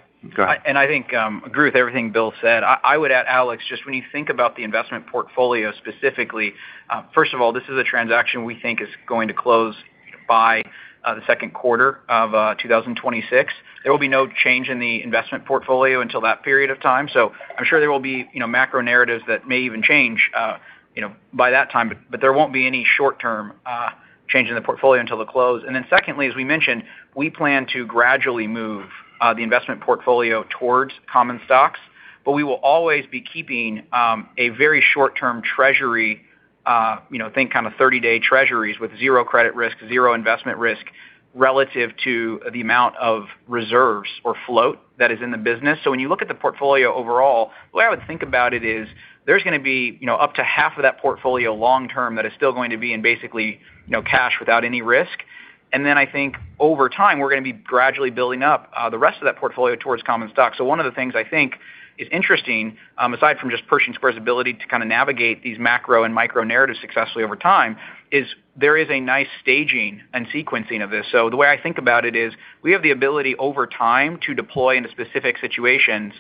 And I think I agree with everything Bill said. I would add, Alex, just when you think about the investment portfolio specifically. First of all, this is a transaction we think is going to close by the second quarter of 2026. There will be no change in the investment portfolio until that period of time. So I'm sure there will be macro narratives that may even change by that time. But there won't be any short-term change in the portfolio until the close. And then secondly, as we mentioned, we plan to gradually move the investment portfolio towards common stocks. But we will always be keeping a very short-term treasury, think kind of 30-day treasuries with zero credit risk, zero investment risk relative to the amount of reserves or float that is in the business. So when you look at the portfolio overall, the way I would think about it is there's going to be up to half of that portfolio long-term that is still going to be in basically cash without any risk. And then I think over time, we're going to be gradually building up the rest of that portfolio towards common stocks. So one of the things I think is interesting, aside from just Pershing Square's ability to kind of navigate these macro and micro narratives successfully over time, is there is a nice staging and sequencing of this. So the way I think about it is we have the ability over time to deploy into specific situations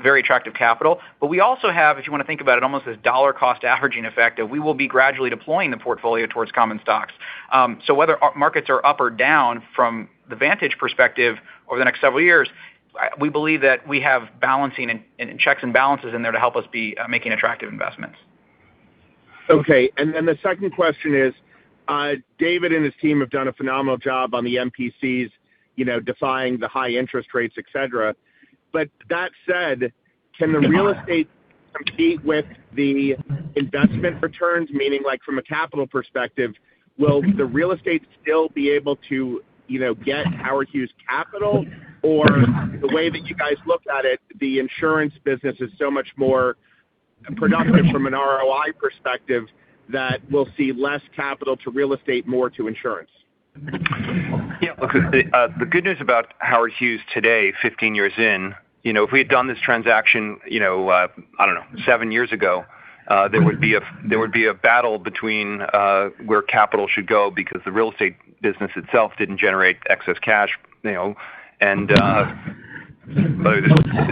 very attractive capital. But we also have, if you want to think about it almost as dollar-cost averaging effective, we will be gradually deploying the portfolio towards common stocks. So whether markets are up or down from the Vantage perspective over the next several years, we believe that we have balancing and checks and balances in there to help us be making attractive investments. Okay. And then the second question is David and his team have done a phenomenal job on the MPCs defying the high interest rates, etc. But that said, can the real estate compete with the investment returns? Meaning from a capital perspective, will the real estate still be able to get Howard Hughes capital? Or the way that you guys look at it, the insurance business is so much more productive from an ROI perspective that we'll see less capital to real estate, more to insurance? Yeah. The good news about Howard Hughes today, 15 years in, if we had done this transaction, I don't know, seven years ago, there would be a battle between where capital should go because the real estate business itself didn't generate excess cash. And is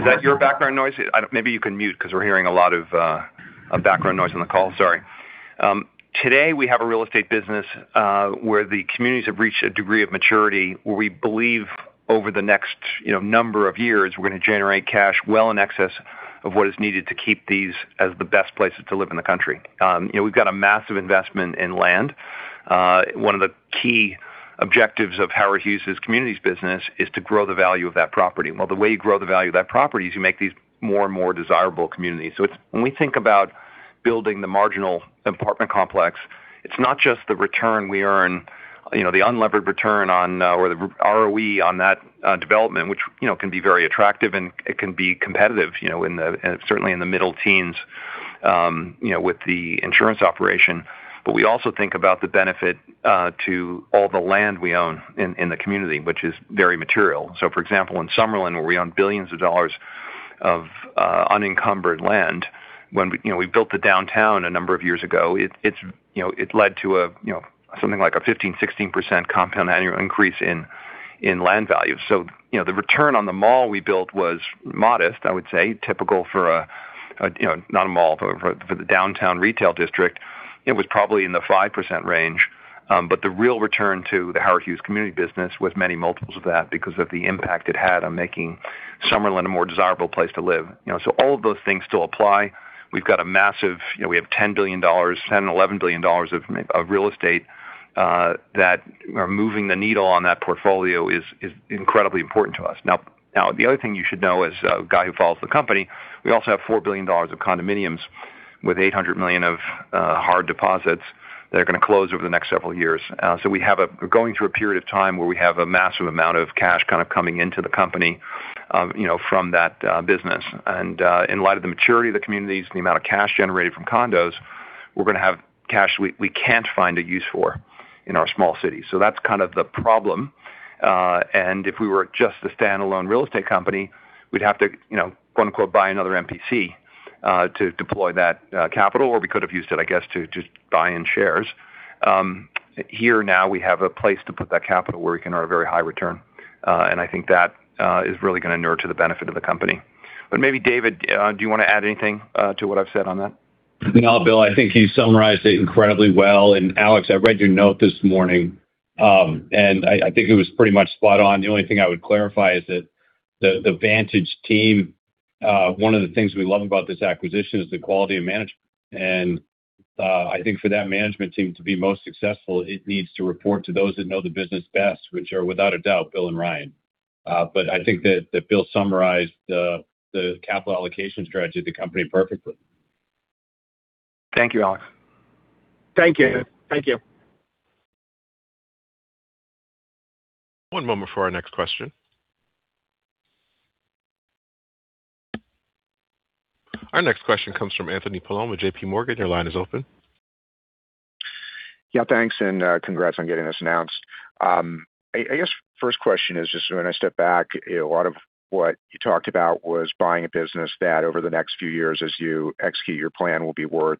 that your background noise? Maybe you can mute because we're hearing a lot of background noise on the call. Sorry. Today, we have a real estate business where the communities have reached a degree of maturity where we believe over the next number of years, we're going to generate cash well in excess of what is needed to keep these as the best places to live in the country. We've got a massive investment in land. One of the key objectives of Howard Hughes' communities business is to grow the value of that property. The way you grow the value of that property is you make these more and more desirable communities. When we think about building the marginal apartment complex, it's not just the return we earn, the unlevered return on or the ROE on that development, which can be very attractive and it can be competitive, certainly in the middle teens with the insurance operation. We also think about the benefit to all the land we own in the community, which is very material. For example, in Summerlin, where we own billions of dollars of unencumbered land, when we built the downtown a number of years ago, it led to something like a 15%-16% compound annual increase in land value. The return on the mall we built was modest, I would say, typical for not a mall, but for the downtown retail district. It was probably in the 5% range. But the real return to the Howard Hughes community business was many multiples of that because of the impact it had on making Summerlin a more desirable place to live. So all of those things still apply. We have $10 billion-$11 billion of real estate that are moving the needle on that portfolio is incredibly important to us. Now, the other thing you should know as a guy who follows the company, we also have $4 billion of condominiums with $800 million of hard deposits that are going to close over the next several years. So we're going through a period of time where we have a massive amount of cash kind of coming into the company from that business. And in light of the maturity of the communities, the amount of cash generated from condos, we're going to have cash we can't find a use for in our small cities. So that's kind of the problem. And if we were just a standalone real estate company, we'd have to "buy another MPC" to deploy that capital. Or we could have used it, I guess, to just buy in shares. Here now, we have a place to put that capital where we can earn a very high return. And I think that is really going to serve to the benefit of the company. But maybe David, do you want to add anything to what I've said on that? I mean, Bill, I think you summarized it incredibly well, and Alex, I read your note this morning, and I think it was pretty much spot on. The only thing I would clarify is that the Vantage team, one of the things we love about this acquisition, is the quality of management, and I think for that management team to be most successful, it needs to report to those that know the business best, which are without a doubt Bill and Ryan, but I think that Bill summarized the capital allocation strategy of the company perfectly. Thank you, Alex. Thank you. Thank you. One moment for our next question. Our next question comes from Anthony Paolone with JPMorgan. Your line is open. Yeah, thanks. And congrats on getting this announced. I guess first question is just when I step back, a lot of what you talked about was buying a business that over the next few years, as you execute your plan, will be worth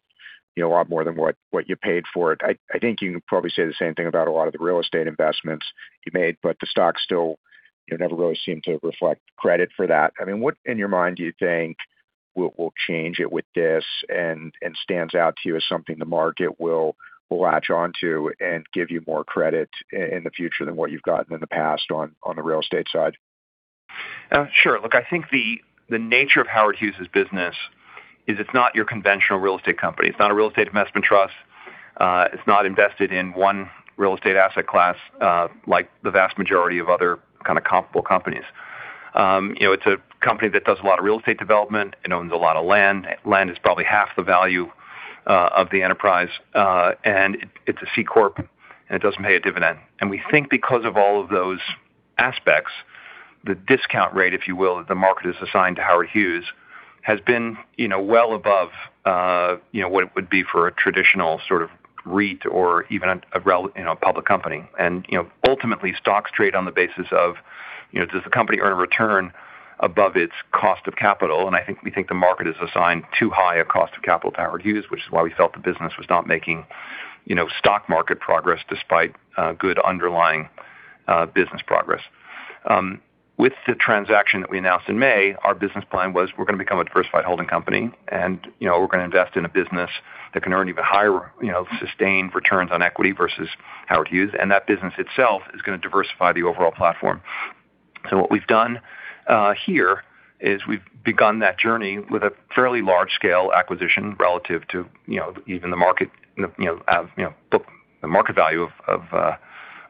a lot more than what you paid for it. I think you can probably say the same thing about a lot of the real estate investments you made. But the stocks still never really seem to reflect credit for that. I mean, what in your mind do you think will change it with this and stands out to you as something the market will latch onto and give you more credit in the future than what you've gotten in the past on the real estate side? Sure. Look, I think the nature of Howard Hughes' business is it's not your conventional real estate company. It's not a real estate investment trust. It's not invested in one real estate asset class like the vast majority of other kind of comparable companies. It's a company that does a lot of real estate development. It owns a lot of land. Land is probably half the value of the enterprise. And it's a C Corp. And it doesn't pay a dividend. And we think because of all of those aspects, the discount rate, if you will, that the market has assigned to Howard Hughes has been well above what it would be for a traditional sort of REIT or even a public company. And ultimately, stocks trade on the basis of does the company earn a return above its cost of capital. I think we think the market has assigned too high a cost of capital to Howard Hughes, which is why we felt the business was not making stock market progress despite good underlying business progress. With the transaction that we announced in May, our business plan was we're going to become a diversified holding company. We're going to invest in a business that can earn even higher sustained returns on equity versus Howard Hughes. That business itself is going to diversify the overall platform. What we've done here is we've begun that journey with a fairly large-scale acquisition relative to even the market value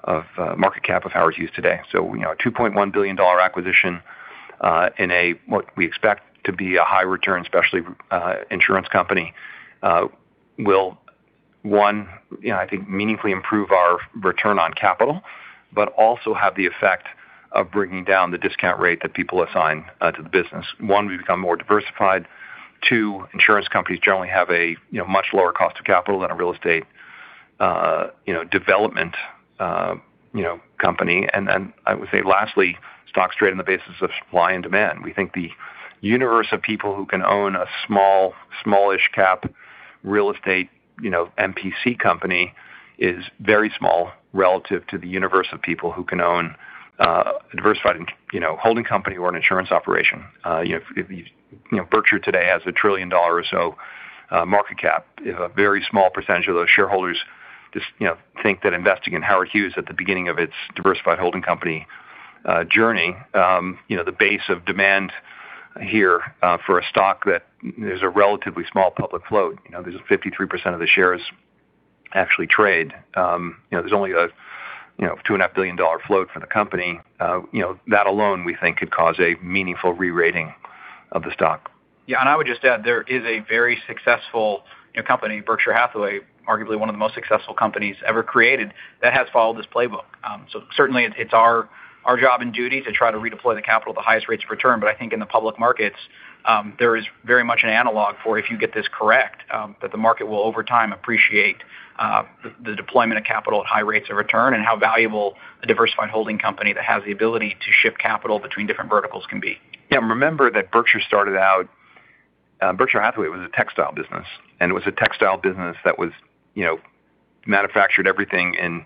of market cap of Howard Hughes today. So, a $2.1 billion acquisition of a what we expect to be a high-return specialty insurance company will, one, I think, meaningfully improve our return on capital, but also have the effect of bringing down the discount rate that people assign to the business. One, we've become more diversified. Two, insurance companies generally have a much lower cost of capital than a real estate development company. And I would say lastly, stocks trade on the basis of supply and demand. We think the universe of people who can own a small-cap real estate MPC company is very small relative to the universe of people who can own a diversified holding company or an insurance operation. If Berkshire today has a $1 trillion or so market cap, a very small percentage of those shareholders think that investing in Howard Hughes at the beginning of its diversified holding company journey, the base of demand here for a stock that is a relatively small public float, there's 53% of the shares actually trade. There's only a $2.5 billion float for the company. That alone, we think, could cause a meaningful re-rating of the stock. Yeah. And I would just add there is a very successful company, Berkshire Hathaway, arguably one of the most successful companies ever created that has followed this playbook. So certainly, it's our job and duty to try to redeploy the capital at the highest rates of return. But I think in the public markets, there is very much an analog for if you get this correct, that the market will over time appreciate the deployment of capital at high rates of return and how valuable a diversified holding company that has the ability to shift capital between different verticals can be. Yeah. And remember that Berkshire started out. Berkshire Hathaway was a textile business. And it was a textile business that manufactured everything in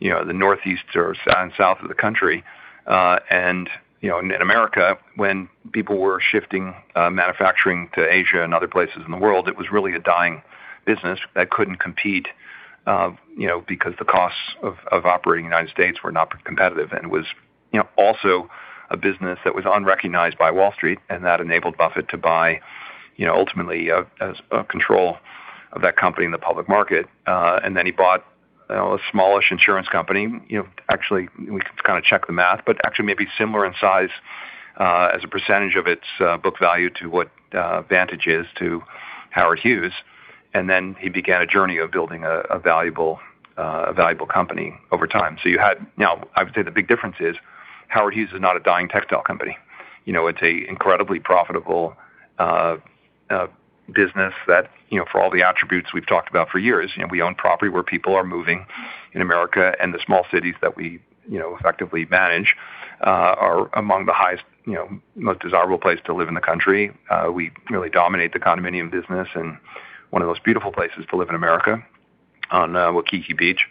the northeast or south of the country. And in America, when people were shifting manufacturing to Asia and other places in the world, it was really a dying business that couldn't compete because the costs of operating in the United States were not competitive. And it was also a business that was unrecognized by Wall Street. And that enabled Buffett to buy ultimately control of that company in the public market. And then he bought a smallish insurance company. Actually, we can kind of check the math, but actually maybe similar in size as a percentage of its book value to what Vantage is to Howard Hughes. And then he began a journey of building a valuable company over time. So now, I would say the big difference is Howard Hughes is not a dying textile company. It's an incredibly profitable business that for all the attributes we've talked about for years, we own property where people are moving in America. And the small cities that we effectively manage are among the most desirable places to live in the country. We really dominate the condominium business and one of the most beautiful places to live in America on Waikiki Beach.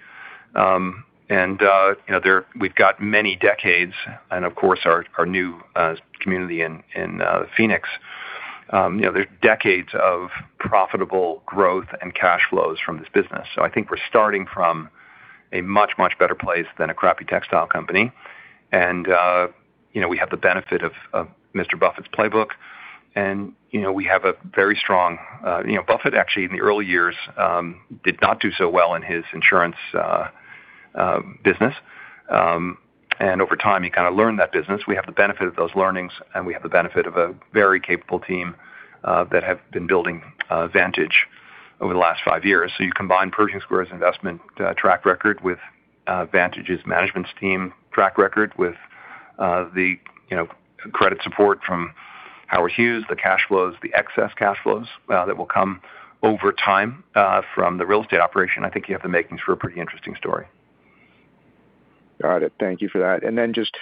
And we've got many decades. And of course, our new community in Phoenix, there's decades of profitable growth and cash flows from this business. So I think we're starting from a much, much better place than a crappy textile company. And we have the benefit of Mr. Buffett's playbook. And we have a very strong Buffett, actually, in the early years did not do so well in his insurance business. Over time, he kind of learned that business. We have the benefit of those learnings. We have the benefit of a very capable team that have been building Vantage over the last five years. You combine Pershing Square's investment track record with Vantage's management team's track record with the credit support from Howard Hughes, the cash flows, the excess cash flows that will come over time from the real estate operation. I think you have the makings for a pretty interesting story. Got it. Thank you for that. And then just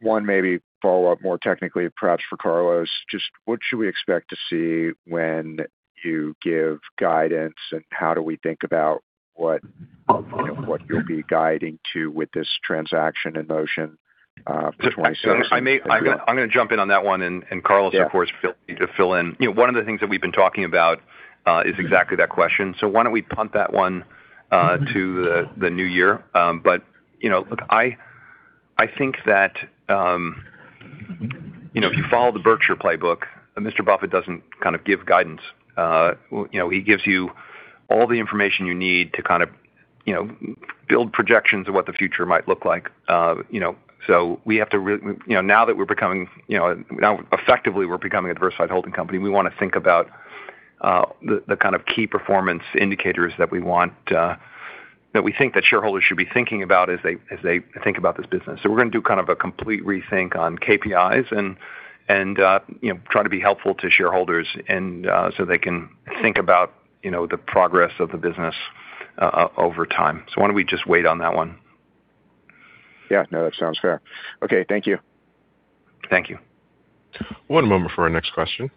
one maybe follow-up more technically, perhaps for Carlos. Just what should we expect to see when you give guidance? And how do we think about what you'll be guiding to with this transaction in motion for 2026? I'm going to jump in on that one. And Carlos, of course, feel free to fill in. One of the things that we've been talking about is exactly that question. So why don't we punt that one to the new year? But look, I think that if you follow the Berkshire playbook, Mr. Buffett doesn't kind of give guidance. He gives you all the information you need to kind of build projections of what the future might look like. So we have to now that we're becoming effectively a diversified holding company. We want to think about the kind of key performance indicators that we want, that we think that shareholders should be thinking about as they think about this business. So we're going to do kind of a complete rethink on KPIs and try to be helpful to shareholders so they can think about the progress of the business over time. So why don't we just wait on that one? Yeah. No, that sounds fair. Okay. Thank you. Thank you. One moment for our next question.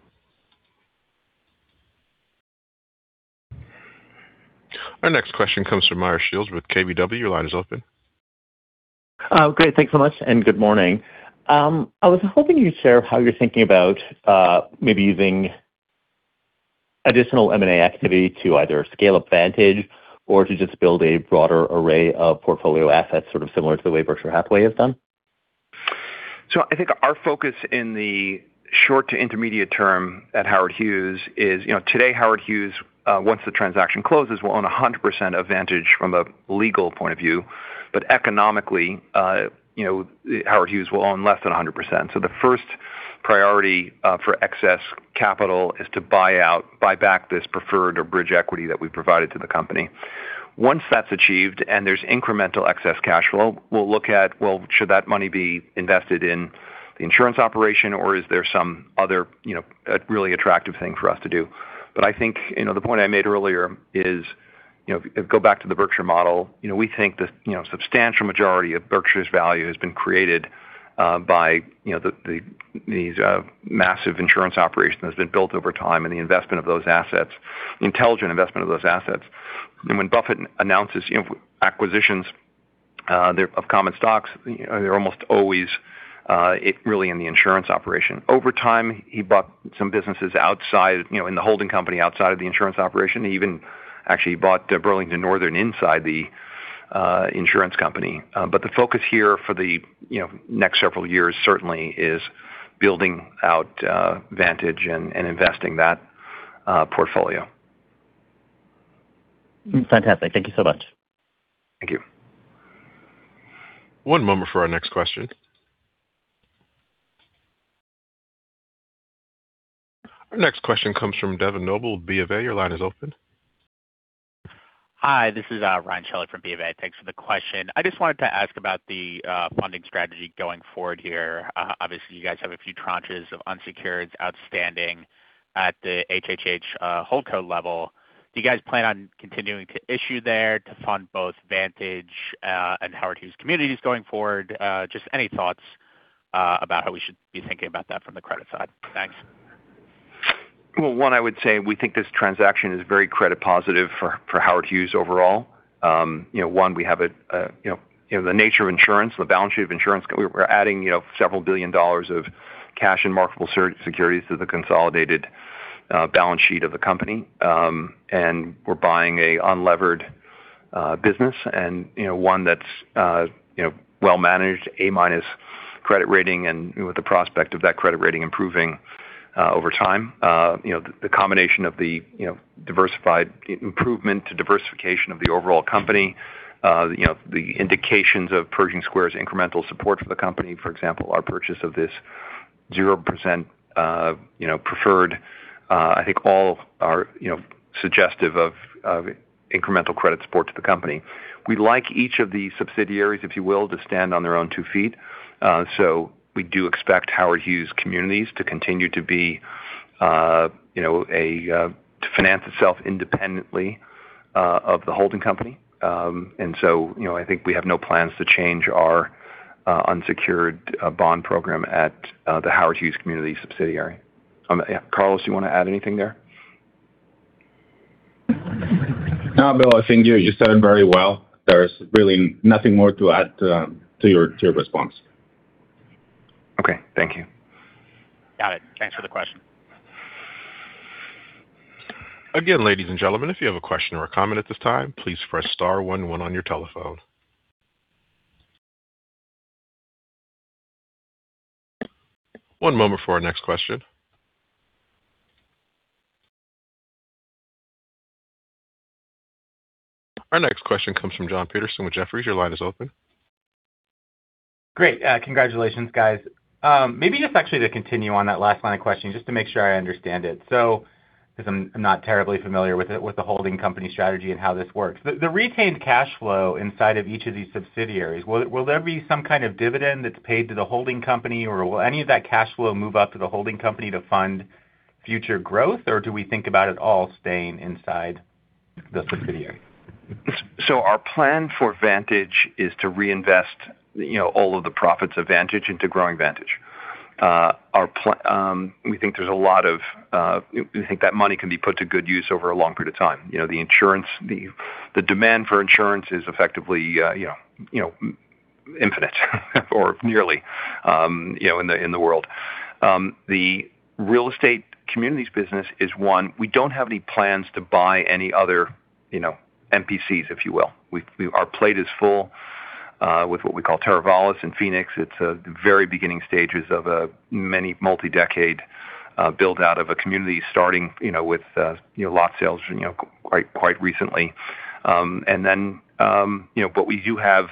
Our next question comes from Meyer Shields with KBW. Your line is open. Great. Thanks so much and good morning. I was hoping you'd share how you're thinking about maybe using additional M&A activity to either scale up Vantage or to just build a broader array of portfolio assets sort of similar to the way Berkshire Hathaway has done. I think our focus in the short to intermediate term at Howard Hughes is, today, Howard Hughes, once the transaction closes, will own 100% of Vantage from a legal point of view. But economically, Howard Hughes will own less than 100%. So the first priority for excess capital is to buy back this preferred or bridge equity that we've provided to the company. Once that's achieved and there's incremental excess cash flow, we'll look at, well, should that money be invested in the insurance operation? Or is there some other really attractive thing for us to do? But I think the point I made earlier is go back to the Berkshire model. We think the substantial majority of Berkshire's value has been created by these massive insurance operations that have been built over time and the intelligent investment of those assets. When Buffett announces acquisitions of common stocks, they're almost always really in the insurance operation. Over time, he bought some businesses outside in the holding company outside of the insurance operation. He even actually bought Burlington Northern inside the insurance company. The focus here for the next several years certainly is building out Vantage and investing that portfolio. Fantastic. Thank you so much. Thank you. One moment for our next question. Our next question comes from Devon Noble with B of A. Your line is open. Hi. This is Ryan Shelley from B of A. Thanks for the question. I just wanted to ask about the funding strategy going forward here. Obviously, you guys have a few tranches of unsecured outstanding at the HHH HoldCo level. Do you guys plan on continuing to issue there to fund both Vantage and Howard Hughes communities going forward? Just any thoughts about how we should be thinking about that from the credit side? Thanks. One, I would say we think this transaction is very credit positive for Howard Hughes overall. One, we have the nature of insurance, the balance sheet of insurance. We're adding several billion dollars of cash and marketable securities to the consolidated balance sheet of the company. We're buying an unlevered business and one that's well-managed, A-minus credit rating and with the prospect of that credit rating improving over time. The combination of the diversified improvement to diversification of the overall company, the indications of Pershing Square's incremental support for the company, for example, our purchase of this 0% preferred, I think all are suggestive of incremental credit support to the company. We'd like each of the subsidiaries, if you will, to stand on their own two feet. We do expect Howard Hughes communities to continue to finance itself independently of the holding company. And so I think we have no plans to change our unsecured bond program at the Howard Hughes community subsidiary. Carlos, do you want to add anything there? No, Bill. I think you said it very well. There's really nothing more to add to your response. Okay. Thank you. Got it. Thanks for the question. Again, ladies and gentlemen, if you have a question or a comment at this time, please press star one one on your telephone. One moment for our next question. Our next question comes from Jon Petersen with Jefferies. Your line is open. Great. Congratulations, guys. Maybe just actually to continue on that last line of questioning, just to make sure I understand it. So because I'm not terribly familiar with the holding company strategy and how this works, the retained cash flow inside of each of these subsidiaries, will there be some kind of dividend that's paid to the holding company? Or will any of that cash flow move up to the holding company to fund future growth? Or do we think about it all staying inside the subsidiary? So our plan for Vantage is to reinvest all of the profits of Vantage into growing Vantage. We think there's a lot of that money can be put to good use over a long period of time. The demand for insurance is effectively infinite or nearly in the world. The real estate community's business is one. We don't have any plans to buy any other MPCs, if you will. Our plate is full with what we call Teravalis in Phoenix. It's the very beginning stages of a many multi-decade build-out of a community starting with lot sales quite recently. And then what we do have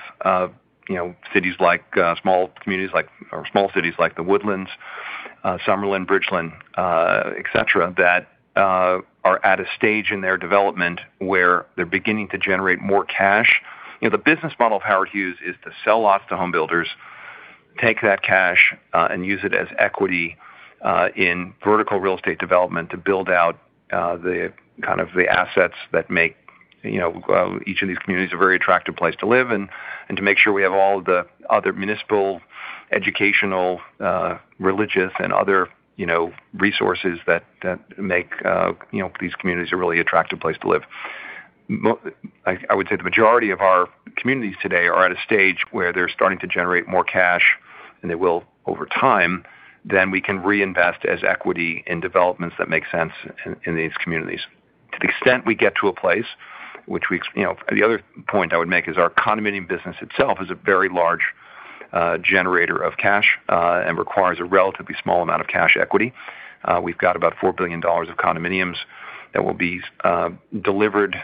cities like small communities or small cities like The Woodlands, Summerlin, Bridgeland, etc., that are at a stage in their development where they're beginning to generate more cash. The business model of Howard Hughes is to sell lots to home builders, take that cash, and use it as equity in vertical real estate development to build out kind of the assets that make each of these communities a very attractive place to live and to make sure we have all of the other municipal, educational, religious, and other resources that make these communities a really attractive place to live. I would say the majority of our communities today are at a stage where they're starting to generate more cash, and they will over time. Then we can reinvest as equity in developments that make sense in these communities. To the extent we get to a place, which the other point I would make is, our condominium business itself is a very large generator of cash and requires a relatively small amount of cash equity. We've got about $4 billion of condominiums that will be delivered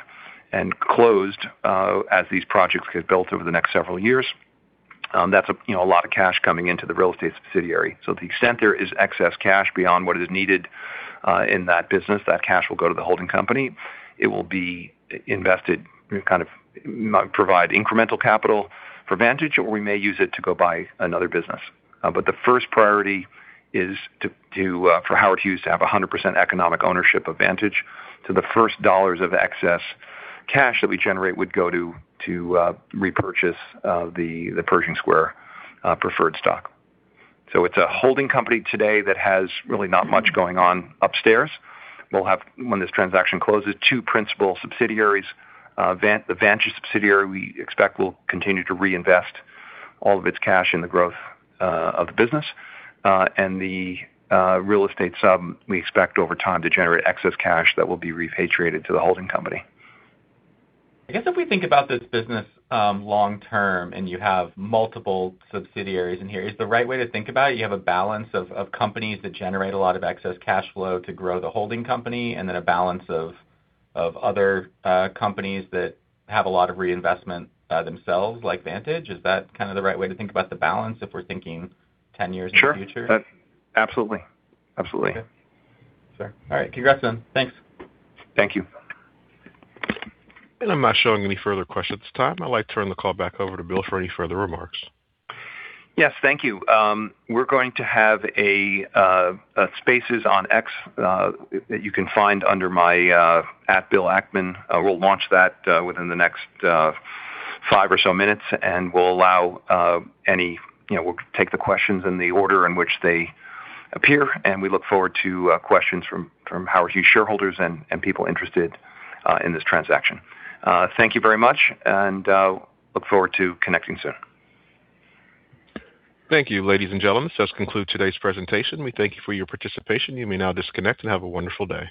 and closed as these projects get built over the next several years. That's a lot of cash coming into the real estate subsidiary. So to the extent there is excess cash beyond what is needed in that business, that cash will go to the holding company. It will be invested to kind of provide incremental capital for Vantage, or we may use it to go buy another business. But the first priority is for Howard Hughes to have 100% economic ownership of Vantage. So the first dollars of excess cash that we generate would go to repurchase the Pershing Square preferred stock. So it's a holding company today that has really not much going on upstairs. We'll have, when this transaction closes, two principal subsidiaries. The Vantage subsidiary, we expect will continue to reinvest all of its cash in the growth of the business, and the real estate sub, we expect over time to generate excess cash that will be repatriated to the holding company. I guess if we think about this business long term and you have multiple subsidiaries in here, is the right way to think about it? You have a balance of companies that generate a lot of excess cash flow to grow the holding company and then a balance of other companies that have a lot of reinvestment themselves like Vantage. Is that kind of the right way to think about the balance if we're thinking 10 years in the future? Sure. Absolutely. Absolutely. Okay. Sure. All right. Congrats then. Thanks. Thank you. I'm not showing any further questions at this time. I'd like to turn the call back over to Bill for any further remarks. Yes. Thank you. We're going to have spaces on X that you can find under my @BillAckman. We'll launch that within the next five or so minutes. And we'll allow any, we'll take the questions in the order in which they appear. And we look forward to questions from Howard Hughes shareholders and people interested in this transaction. Thank you very much. And look forward to connecting soon. Thank you, ladies and gentlemen. This does conclude today's presentation. We thank you for your participation. You may now disconnect and have a wonderful day.